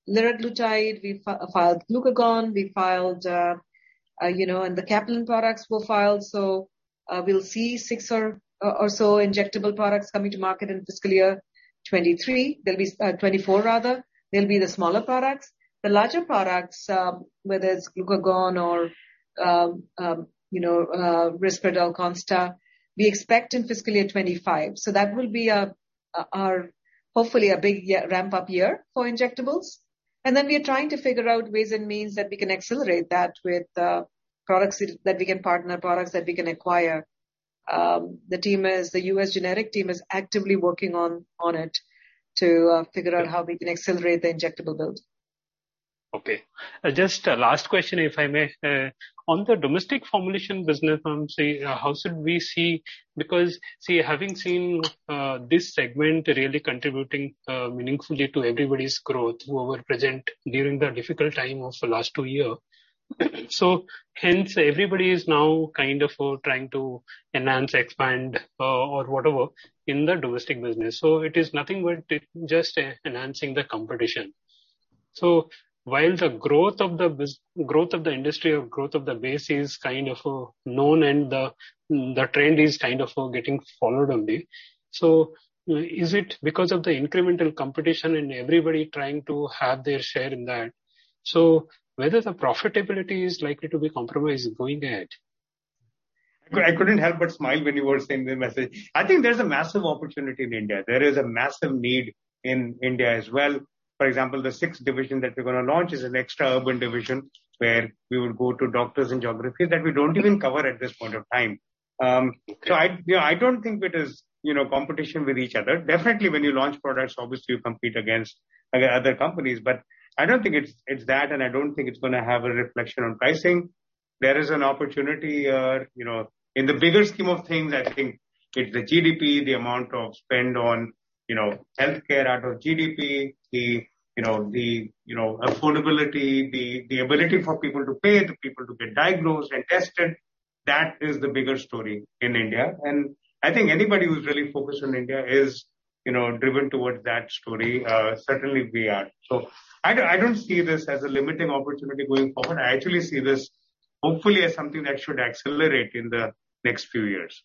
liraglutide, we filed glucagon, we filed, you know, the Caplan products were filed. We'll see six or so injectable products coming to market in fiscal year 23. They'll be 24 rather. They'll be the smaller products. The larger products, whether it's glucagon or, you know, RISPERDAL CONSTA, we expect in fiscal year 25. That will be a, our, hopefully a big ramp up year for injectables. We are trying to figure out ways and means that we can accelerate that with products that we can partner, products that we can acquire. The U.S. generic team is actively working on it to figure out how we can accelerate the injectable build. Okay. Just a last question, if I may. On the domestic formulation business, say how should we see? Because, say, having seen, this segment really contributing meaningfully to everybody's growth who were present during the difficult time of the last two year. Hence everybody is now kind of trying to enhance, expand, or whatever in the domestic business. It is nothing but just enhancing the competition. While the growth of the industry or growth of the base is kind of known and the trend is kind of getting followed only. Is it because of the incremental competition and everybody trying to have their share in that? Whether the profitability is likely to be compromised going ahead? I couldn't help but smile when you were saying the message. I think there's a massive opportunity in India. There is a massive need in India as well. For example, the sixth division that we're gonna launch is an extra urban division where we will go to doctors in geographies that we don't even cover at this point of time. I, yeah, I don't think it is, you know, competition with each other. Definitely when you launch products, obviously you compete against other companies. I don't think it's that. I don't think it's gonna have a reflection on pricing. There is an opportunity here, you know, in the bigger scheme of things, I think if the GDP, the amount of spend on, you know, healthcare out of GDP, the, you know, the, you know, affordability, the ability for people to pay, the people to get diagnosed and tested, that is the bigger story in India. I think anybody who's really focused on India is, you know, driven towards that story. Certainly we are. I don't see this as a limiting opportunity going forward. I actually see this hopefully as something that should accelerate in the next few years.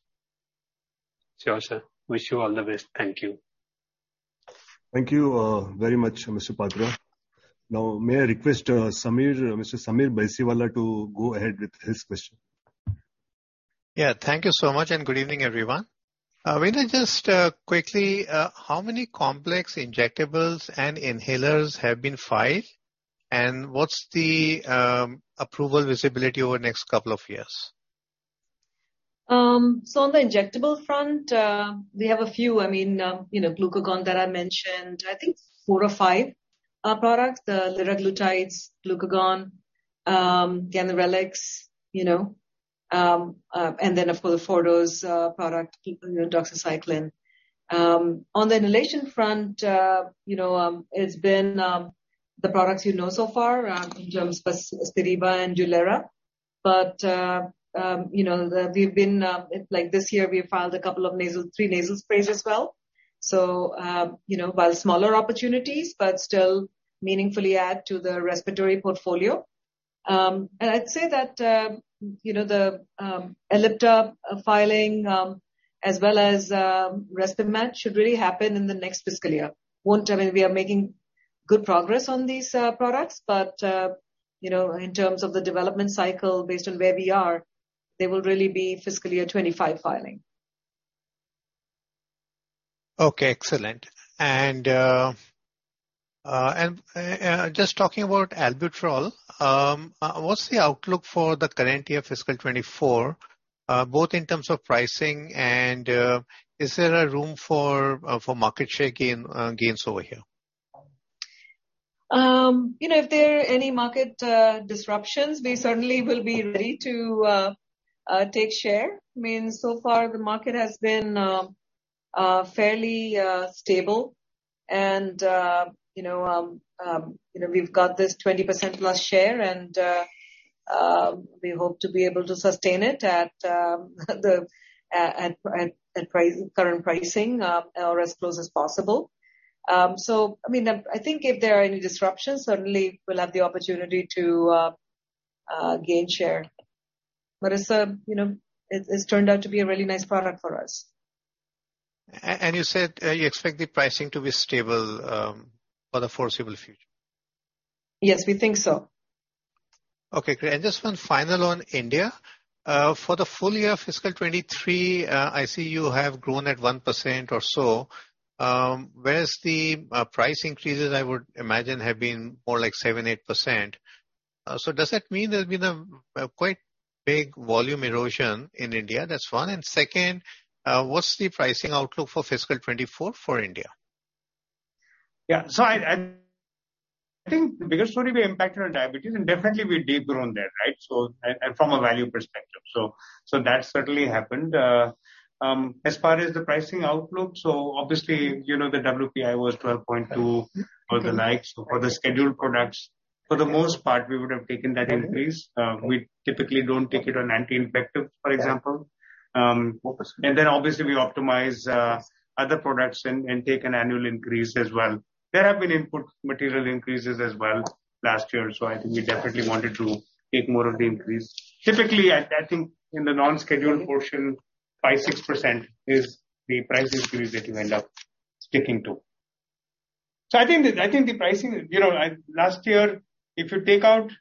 Sure, sir. Wish you all the best. Thank you. Thank you, very much, Mr. Patra. May I request, Sameer, Mr. Sameer Baisiwala to go ahead with his question. Yeah. Thank you so much. Good evening, everyone. Vinita, just quickly, how many complex injectables and inhalers have been filed, and what's the approval visibility over the next couple of years? On the injectable front, we have a few. glucagon that I mentioned. I think four or five products. The liraglutides, glucagon, ganirelix. Of course the four-dose product, doxycycline. On the inhalation front, you know, it's been the products you know so far, in terms of Spiriva and DULERA. you know, we've been like this year we've filed three nasal sprays as well. you know, while smaller opportunities, but still meaningfully add to the respiratory portfolio. I'd say that you know, Ellipta filing, as well as Respimat should really happen in the next fiscal year. I mean, we are making good progress on these products, but, you know, in terms of the development cycle based on where we are, they will really be fiscal year 25 filing. Okay, excellent. Just talking about Albuterol, what's the outlook for the current year fiscal 24, both in terms of pricing and, is there a room for market share gains over here? You know, if there are any market disruptions, we certainly will be ready to take share. I mean, so far the market has been fairly stable and, you know, you know, we've got this 20% plus share and we hope to be able to sustain it at the at price, current pricing, or as close as possible. I mean, I think if there are any disruptions, certainly we'll have the opportunity to gain share. It's, you know, it's turned out to be a really nice product for us. You said, you expect the pricing to be stable, for the foreseeable future? Yes, we think so. Okay, great. Just one final on India. For the full year fiscal 2023, I see you have grown at 1% or so, whereas the price increases I would imagine have been more like 7%-8%. Does that mean there's been a quite big volume erosion in India? That's one? Second, what's the pricing outlook for fiscal 2024 for India? I think the bigger story we impacted on diabetes, and definitely we de-grown there, right? And from a value perspective. That certainly happened. As far as the pricing outlook, obviously, you know, the WPI was 12.2 for the likes, for the scheduled products. For the most part, we would have taken that increase. We typically don't take it on anti-infectives, for example. Obviously we optimize other products and take an annual increase as well. There have been input material increases as well last year, I think we definitely wanted to take more of the increase. Typically, I think in the non-scheduled portion, 5-6% is the price increase that you end up sticking to. I think the pricing, you know, I. Last year, if you take out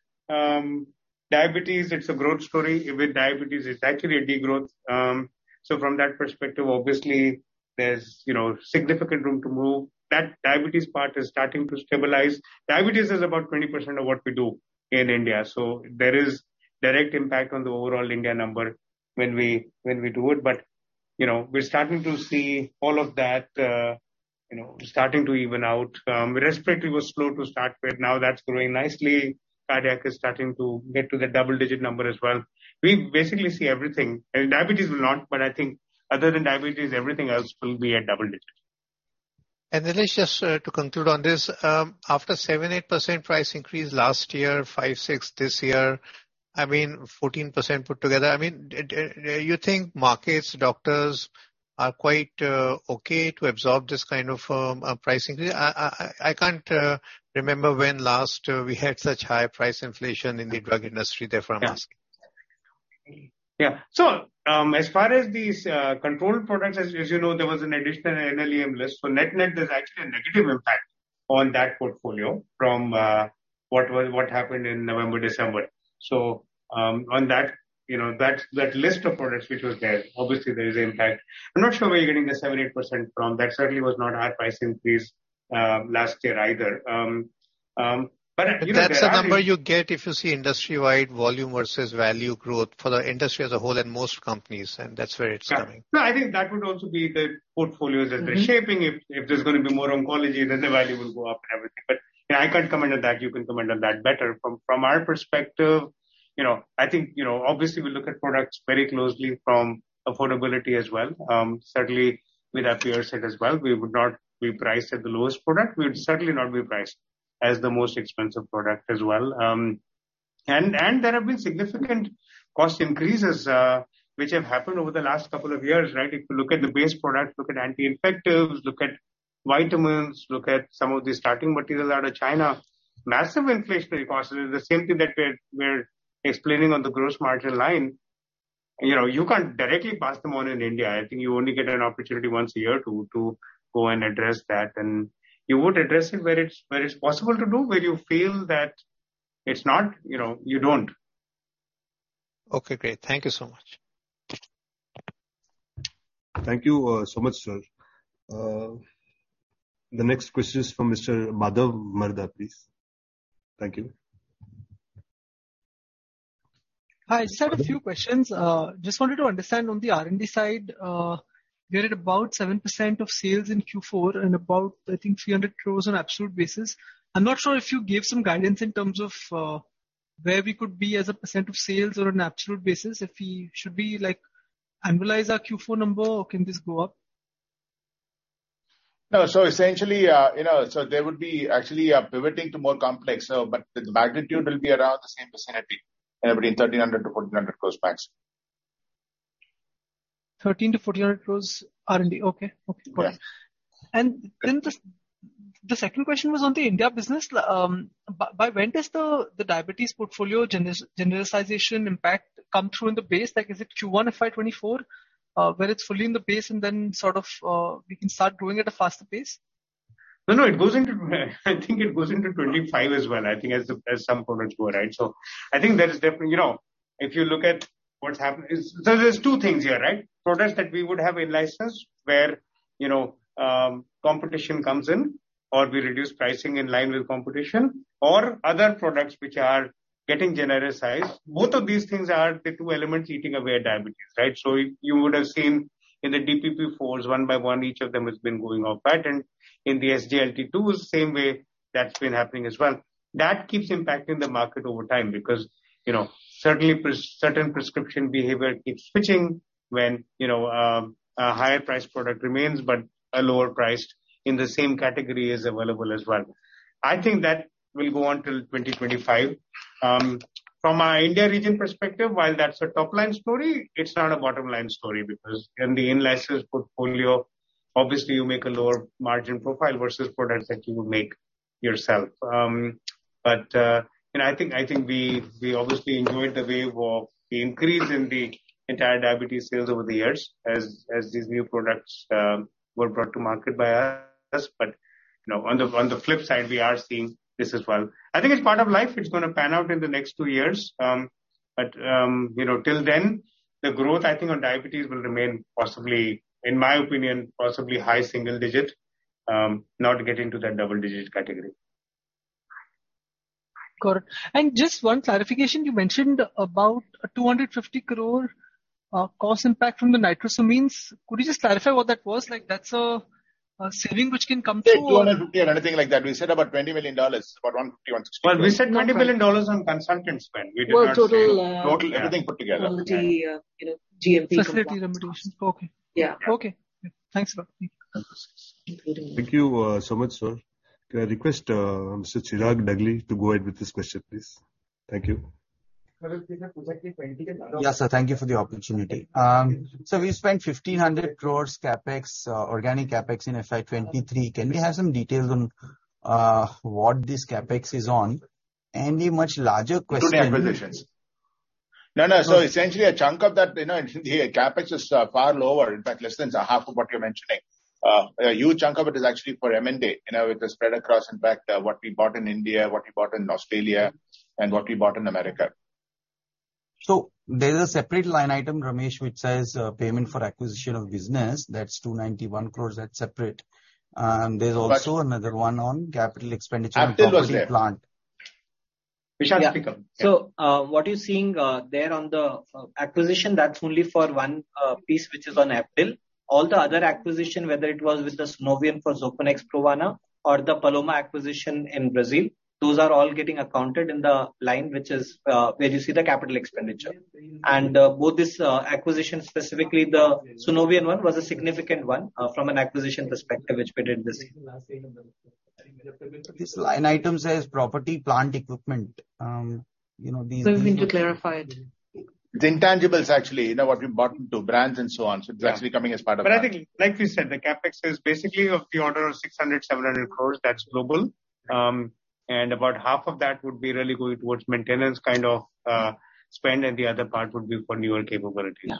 diabetes, it's a growth story. With diabetes it's actually a de-growth. From that perspective, obviously, there's, you know, significant room to move. That diabetes part is starting to stabilize. Diabetes is about 20% of what we do in India, there is direct impact on the overall India number when we do it. You know, we're starting to see all of that, you know, starting to even out. Respiratory was slow to start with, now that's growing nicely. Cardiac is starting to get to the double-digit number as well. We basically see everything. Diabetes will not, but I think other than diabetes, everything else will be at double digits. Let's just to conclude on this. After 7%, 8% price increase last year, 5%, 6% this year, I mean, 14% put together, I mean, you think markets, doctors are quite okay to absorb this kind of pricing? I can't remember when last we had such high price inflation in the drug industry, therefore I'm asking. Yeah. Yeah. As far as these controlled products, as you know, there was an additional NLEM list. Net-net, there's actually a negative impact on that portfolio from what happened in November, December. On that, you know, that list of products which was there, obviously there is impact. I'm not sure where you're getting the 7%, 8% from. That certainly was not our price increase last year either. But, you know, that That's the number you get if you see industry-wide volume versus value growth for the industry as a whole and most companies, and that's where it's coming. Yeah. No, I think that would also be the portfolios as they're shaping. If there's gonna be more oncology, then the value will go up and everything. Yeah, I can't comment on that. You can comment on that better. From our perspective, you know, I think, you know, obviously we look at products very closely from affordability as well. Certainly with our peer set as well, we would not be priced at the lowest product. We would certainly not be priced as the most expensive product as well. And there have been significant cost increases which have happened over the last couple of years, right? If you look at the base products, look at anti-infectives, look at vitamins, look at some of the starting materials out of China, massive inflationary costs. The same thing that we're explaining on the gross margin line. You know, you can't directly pass them on in India. I think you only get an opportunity once a year to go and address that. You would address it where it's possible to do. Where you feel that it's not, you know, you don't. Okay, great. Thank you so much. Thank you so much, sir. The next question is from Mr. Madhav Marda, please. Thank you. Hi. Just have a few questions. Just wanted to understand on the R&D side, we are at about 7% of sales in Q4 and about 300 crore on absolute basis. I'm not sure if you gave some guidance in terms of, where we could be as a % of sales or an absolute basis, if we should be like annualize our Q4 number or can this go up? No. Essentially, you know, so there would be actually a pivoting to more complex, but the magnitude will be around the same vicinity, anywhere between 1,300 crores-1,400 crores max. 1,300 crores-1,400 crores R&D. Okay. Okay. Got it. Yeah. The second question was on the India business. By when does the diabetes portfolio genericization impact come through in the base? Is it Q1 FY 2024 when it's fully in the base and then sort of we can start growing at a faster pace? No, no, it goes into I think it goes into 2025 as well, I think as the, as some products go, right? I think there is definitely. You know, if you look at what's happened, is. There's two things here, right? Products that we would have in-licensed where, you know, competition comes in or we reduce pricing in line with competition or other products which are getting genericized. Both of these things are the two elements eating away at diabetes, right? You would have seen in the DPP-4s, one by one, each of them has been going off patent. In the SGLT2s, same way, that's been happening as well. That keeps impacting the market over time because, you know, certainly certain prescription behavior keeps switching when, you know, a higher priced product remains, but a lower priced in the same category is available as well. I think that will go on till 2025. From a India region perspective, while that's a top-line story, it's not a bottom-line story because in the in-licensed portfolio, obviously you make a lower margin profile versus products that you would make yourself. You know, I think we obviously enjoyed the wave of the increase in the entire diabetes sales over the years as these new products were brought to market by us. You know, on the flip side, we are seeing this as well. I think it's part of life. It's gonna pan out in the next two years. Um- you know, till then, the growth I think on diabetes will remain possibly, in my opinion, possibly high single digit, not get into the double digit category. Correct. Just one clarification, you mentioned about 250 crore cost impact from the nitrosamines. Could you just clarify what that was? Like, that's a saving which can come through- Say 250 or anything like that. We said about $20 million, about $150, $160. Well, we said $20 million on consultant spend. We did not say- Well, total. Total, everything put together. Total the, you know, Facility limitations. Okay. Yeah. Okay. Thanks, sir. Thank you. Thank you so much, sir. Can I request Mr. Chirag Dagli to go ahead with his question, please? Thank you. Yes, sir. Thank you for the opportunity. We spent 1,500 crores CapEx, organic CapEx in FY 2023. Can we have some details on what this CapEx is on? acquisitions. No, no. essentially a chunk of that, you know, the CapEx is far lower, in fact less than half of what you're mentioning. a huge chunk of it is actually for M&A. You know, it is spread across in fact what we bought in India, what we bought in Australia, and what we bought in America. there's a separate line item, Ramesh, which says, payment for acquisition of business, that's 291 crores, that's separate. But- Another one on capital expenditure. Aptiv was there. for property plant. Vishant, pick up. What you're seeing there on the acquisition, that's only for one piece which is on Aptiv. All the other acquisition, whether it was with the Sunovion for Xopenex Brovana or the Paloma acquisition in Brazil, those are all getting accounted in the line which is where you see the capital expenditure. Both this acquisition, specifically the Sunovion one, was a significant one from an acquisition perspective which we did this. This line item says property plant equipment. You know. We need to clarify it. It's intangibles actually, you know, what we bought, the brands and so on. Yeah. It's actually coming as part of that. I think like we said, the CapEx is basically of the order of 600-700 crores, that's global. About half of that would be really going towards maintenance kind of spend, and the other part would be for newer capabilities. Yeah.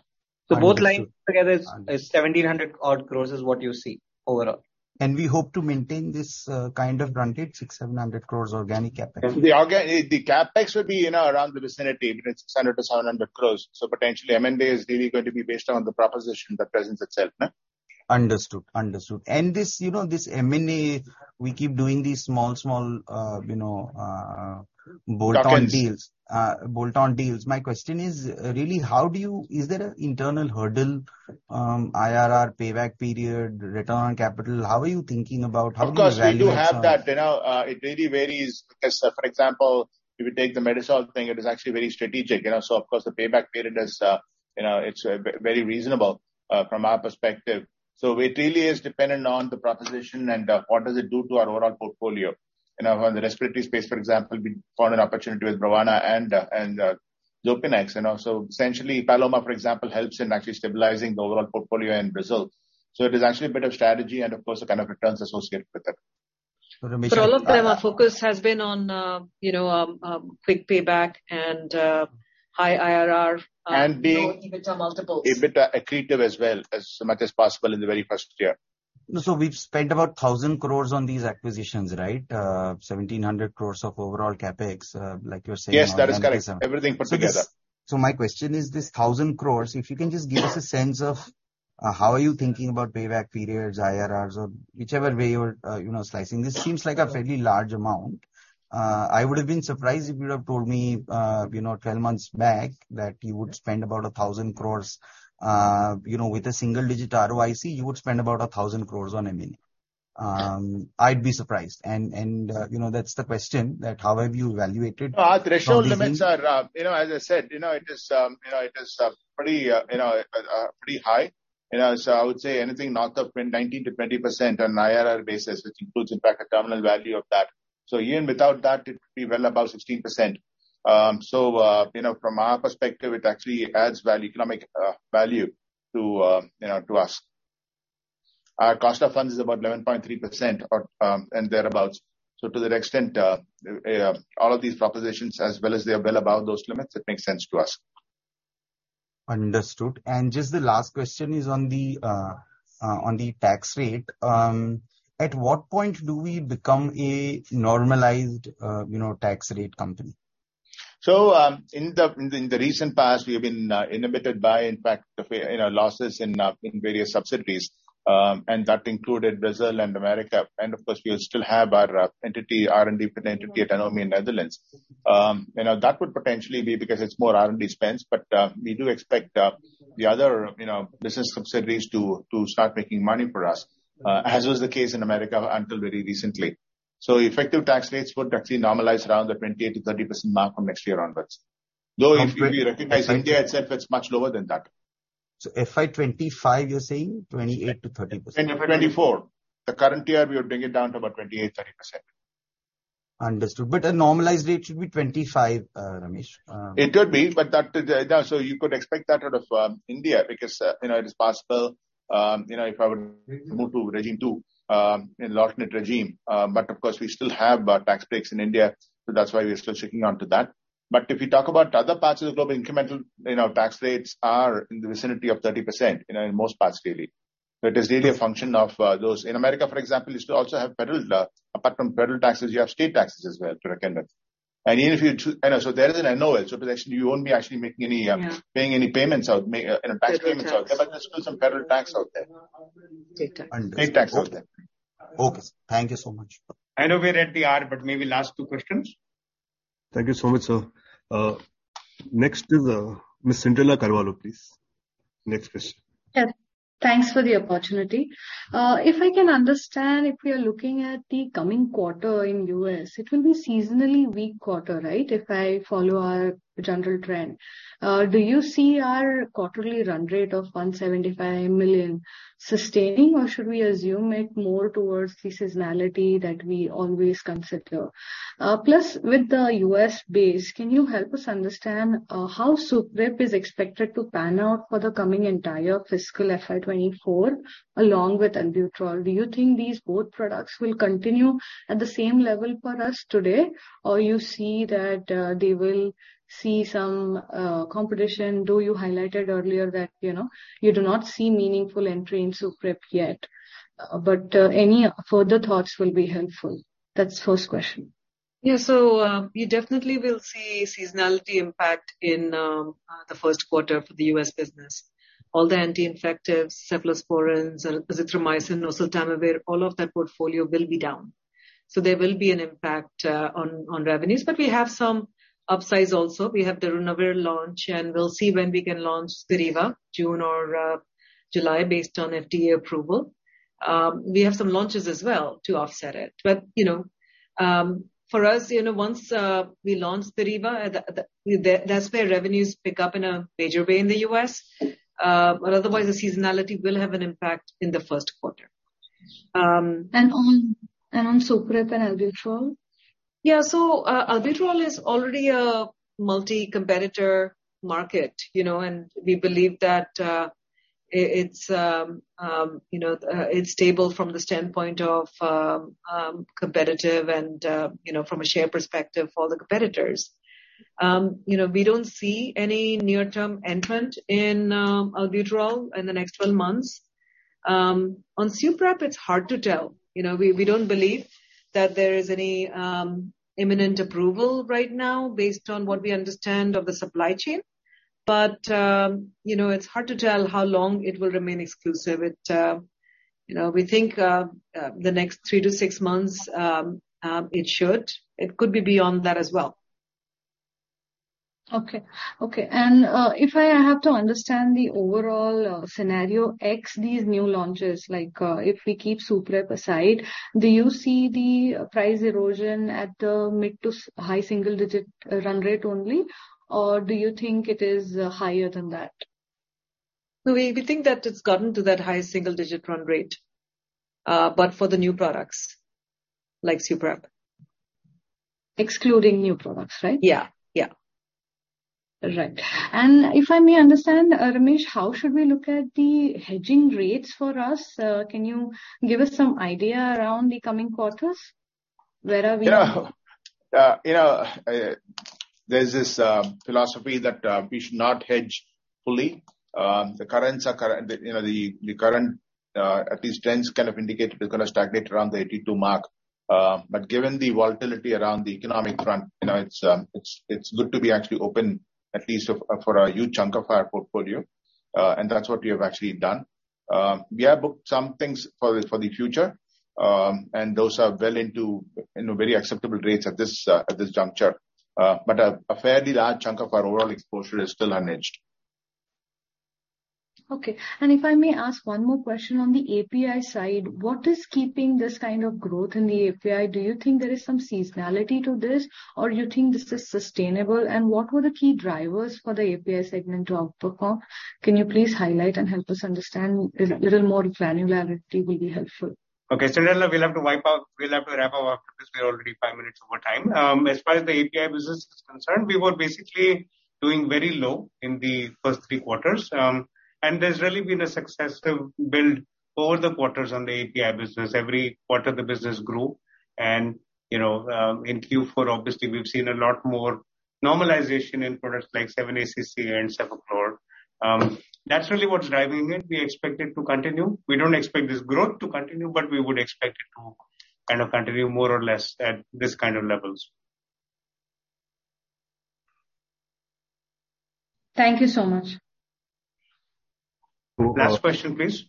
Understood. Both lines together is 1,700 odd crores is what you see overall. We hope to maintain this, kind of run rate, 600- 700 crores organic CapEx. The CapEx would be, you know, around the vicinity between 600- 700 crores. Potentially M&A is really going to be based on the proposition that presents itself, no? Understood. Understood. This, you know, this M&A, we keep doing these small, you know, bolt-on deals. Deals. Bolt-on deals. My question is really Is there an internal hurdle, IRR payback period, return on capital? How are you thinking about, how do you evaluate yourself? Of course, we do have that. You know, it really varies. As, for example, if you take the Medisol thing, it is actually very strategic. You know, of course, the payback period is, you know, it's very reasonable from our perspective. It really is dependent on the proposition and what does it do to our overall portfolio. You know, on the respiratory space, for example, we found an opportunity with Brovana and Xopenex, you know. Essentially Paloma, for example, helps in actually stabilizing the overall portfolio in Brazil. It is actually a bit of strategy and of course the kind of returns associated with it. Ramesh- For all of time, our focus has been on, you know, quick payback and high IRR. And being- Lower EBITDA multiples. EBITDA accretive as well, as much as possible in the very first year. We've spent about 1,000 crores on these acquisitions, right? 1,700 crores of overall CapEx. Yes, that is correct. Everything put together. My question is this 1,000 crores, if you can just give us a sense of, how are you thinking about payback periods, IRRs, or whichever way you're, you know, slicing. This seems like a fairly large amount. I would have been surprised if you'd have told me, you know, 12 months back that you would spend about 1,000 crores, you know, with a single-digit ROIC, you would spend about 1,000 crores on M&A. I'd be surprised. You know, that's the question, that how have you evaluated- Our threshold limits are, you know, as I said, you know, it is, you know, it is pretty, you know, pretty high. I would say anything north of 19%-20% on IRR basis, which includes in fact the terminal value of that. Even without that, it would be well above 16%. From our perspective, it actually adds value, economic value to, you know, to us. Our cost of funds is about 11.3% or and thereabout. To that extent, all of these propositions as well as they are well above those limits, it makes sense to us. Understood. Just the last question is on the tax rate. At what point do we become a normalized, you know, tax rate company? In the recent past, we have been inhibited by in fact the, you know, losses in various subsidiaries, and that included Brazil and America. Of course, we still have our entity, R&D entity at Nanomi in Netherlands. You know, that would potentially be because it's more R&D spends, but we do expect the other, you know, business subsidiaries to start making money for us, as was the case in America until very recently. Effective tax rates would actually normalize around the 28%-30% mark from next year onwards. Though if you recognize India itself, it's much lower than that. FY 2025, you're saying 28%-30%. In FY 2024. The current year, we are bringing it down to about 28%-30%. Understood. a normalized rate should be 25, Ramesh. It could be, but that. You could expect that out of India because, you know, it is possible, you know, if I would move to regime two in low net regime. Of course, we still have our tax breaks in India, so that's why we are still sticking on to that. If you talk about other parts of the globe, incremental, you know, tax rates are in the vicinity of 30%, you know, in most parts really. It is really a function of those. In America, for example, you still also have federal, apart from federal taxes you have state taxes as well to reckon with. Even if you. I know. There is an NOL, so potentially you won't be actually making any. Yeah. Paying any payments out, you know, tax payments out. Federal tax. There's still some federal tax out there. State tax. Understood. State tax out there. Okay. Thank you so much. I know we are at the hour, but maybe last two questions. Thank you so much, sir. next is, Ms. Cyndrella Carvalho, please. Next question. Thanks for the opportunity. If I can understand, if we are looking at the coming quarter in U.S, it will be seasonally weak quarter, right? If I follow our general trend. Do you see our quarterly run rate of $175 million sustaining, or should we assume it more towards the seasonality that we always consider? Plus, with the U.S base, can you help us understand how Suprep is expected to pan out for the coming entire fiscal FY 2024 along with Albuterol? Do you think these both products will continue at the same level for us today, or you see that they will see some competition, though you highlighted earlier that, you know, you do not see meaningful entry in Suprep yet. Any further thoughts will be helpful. That's first question. We definitely will see seasonality impact in the first quarter for the U.S. business. All the anti-infectives, cephalosporins, azithromycin, oseltamivir, all of that portfolio will be down. There will be an impact on revenues. We have some upsides also. We have the darunavir launch, and we'll see when we can launch Spiriva, June or July, based on FDA approval. We have some launches as well to offset it. You know, for us, you know, once we launch Spiriva, that's where revenues pick up in a major way in the U.S. Otherwise the seasonality will have an impact in the first quarter. On Suprep and Albuterol? Yeah. Albuterol is already a multi-competitor market, you know, and we believe that it's, you know, stable from the standpoint of competitive and, you know, from a share perspective for the competitors. You know, we don't see any near-term entrant in Albuterol in the next 12 months. On Suprep, it's hard to tell. You know, we don't believe that there is any imminent approval right now based on what we understand of the supply chain. It's hard to tell how long it will remain exclusive. It, you know, we think the next 3 to 6 months, it should. It could be beyond that as well. Okay. Okay. If I have to understand the overall scenario, ex these new launches, like, if we keep Suprep aside, do you see the price erosion at the mid to high single digit run rate only, or do you think it is higher than that? We think that it's gotten to that high single digit run rate, but for the new products like Suprep. Excluding new products, right? Yeah, yeah. Right. If I may understand, Ramesh, how should we look at the hedging rates for us? Can you give us some idea around the coming quarters? You know, you know, there's this philosophy that we should not hedge fully. The currents are current... You know, the current, at least trends kind of indicate we're gonna stagnate around the 82 mark. Given the volatility around the economic front, you know, it's good to be actually open at least for a huge chunk of our portfolio. That's what we have actually done. We have booked some things for the future, and those are well into, you know, very acceptable rates at this juncture. A fairly large chunk of our overall exposure is still unhedged. If I may ask one more question on the API side. What is keeping this kind of growth in the API? Do you think there is some seasonality to this, or you think this is sustainable? What were the key drivers for the API segment to outperform? Can you please highlight and help us understand? A little more granularity will be helpful. Okay. Chintala, we'll have to wrap up after this. We're already five minutes over time. As far as the API business is concerned, we were basically doing very low in the first three quarters. There's really been a successive build over the quarters on the API business. Every quarter the business grew. You know, in Q4 obviously we've seen a lot more normalization in products like 7-ACA and cefaclor. That's really what's driving it. We expect it to continue. We don't expect this growth to continue, but we would expect it to kind of continue more or less at this kind of levels. Thank you so much. Last question, please.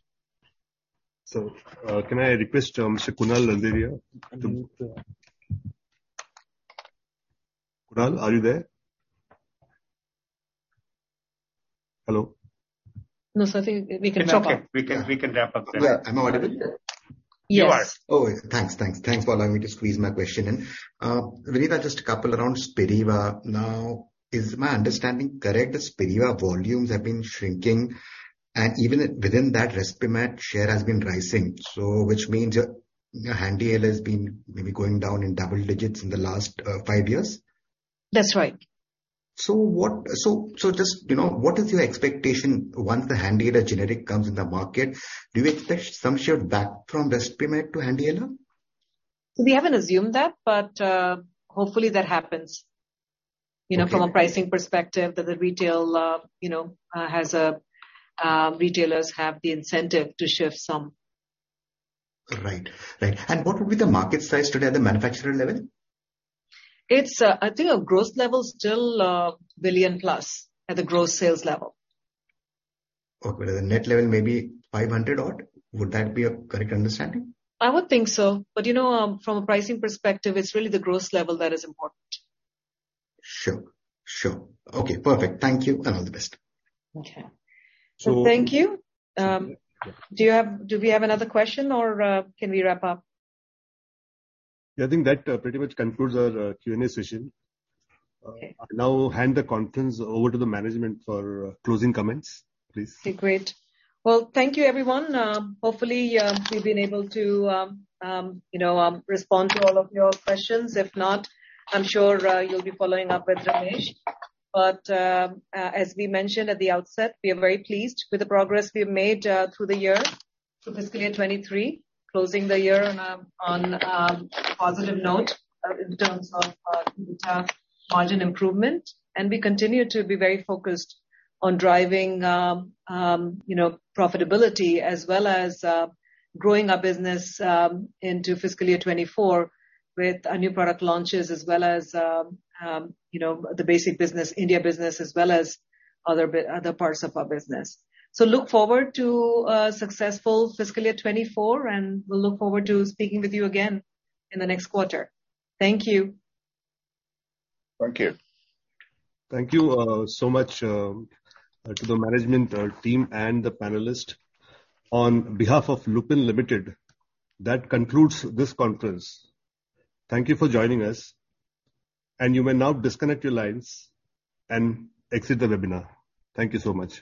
Can I request, Mr. Kunal Randeria. Kunal, are you there? Hello? No, sir. I think we can wrap up. It's okay. We can wrap up there. Yeah. Am I audible? Yes. You are. Thanks for allowing me to squeeze my question in. Vinita, just a couple around Spiriva now. Is my understanding correct, the Spiriva volumes have been shrinking and even within that Respimat share has been rising, so which means HandiHaler has been maybe going down in double digits in the last five-years? That's right. Just, you know, what is your expectation once the HandiHaler generic comes in the market? Do you expect some shift back from Respimat to HandiHaler? We haven't assumed that, but hopefully that happens. You know, from a pricing perspective that the retail, you know, retailers have the incentive to shift some. Right. Right. What would be the market size today at the manufacturer level? It's, I think our gross level's still, billion plus at the gross sales level. Okay. The net level may be 500 odd. Would that be a correct understanding? I would think so. You know, from a pricing perspective, it's really the gross level that is important. Sure. Sure. Okay, perfect. Thank you, and all the best. Okay. Thank you. Do we have another question or, can we wrap up? I think that, pretty much concludes our Q&A session. Okay. I'll now hand the conference over to the management for closing comments, please. Okay, great. Well, thank you everyone. Hopefully, we've been able to, you know, respond to all of your questions. If not, I'm sure, you'll be following up with Ramesh. As we mentioned at the outset, we are very pleased with the progress we have made, through the year, through fiscal year 2023, closing the year, on a positive note, in terms of EBITDA margin improvement. We continue to be very focused on driving, you know, profitability as well as growing our business, into fiscal year 2024 with our new product launches as well as, you know, the basic business, India business, as well as other parts of our business. Look forward to a successful fiscal year 2024, and we'll look forward to speaking with you again in the next quarter. Thank you. Thank you. Thank you so much to the management team and the panelist. On behalf of Lupin Limited, that concludes this conference. Thank you for joining us. You may now disconnect your lines and exit the webinar. Thank you so much.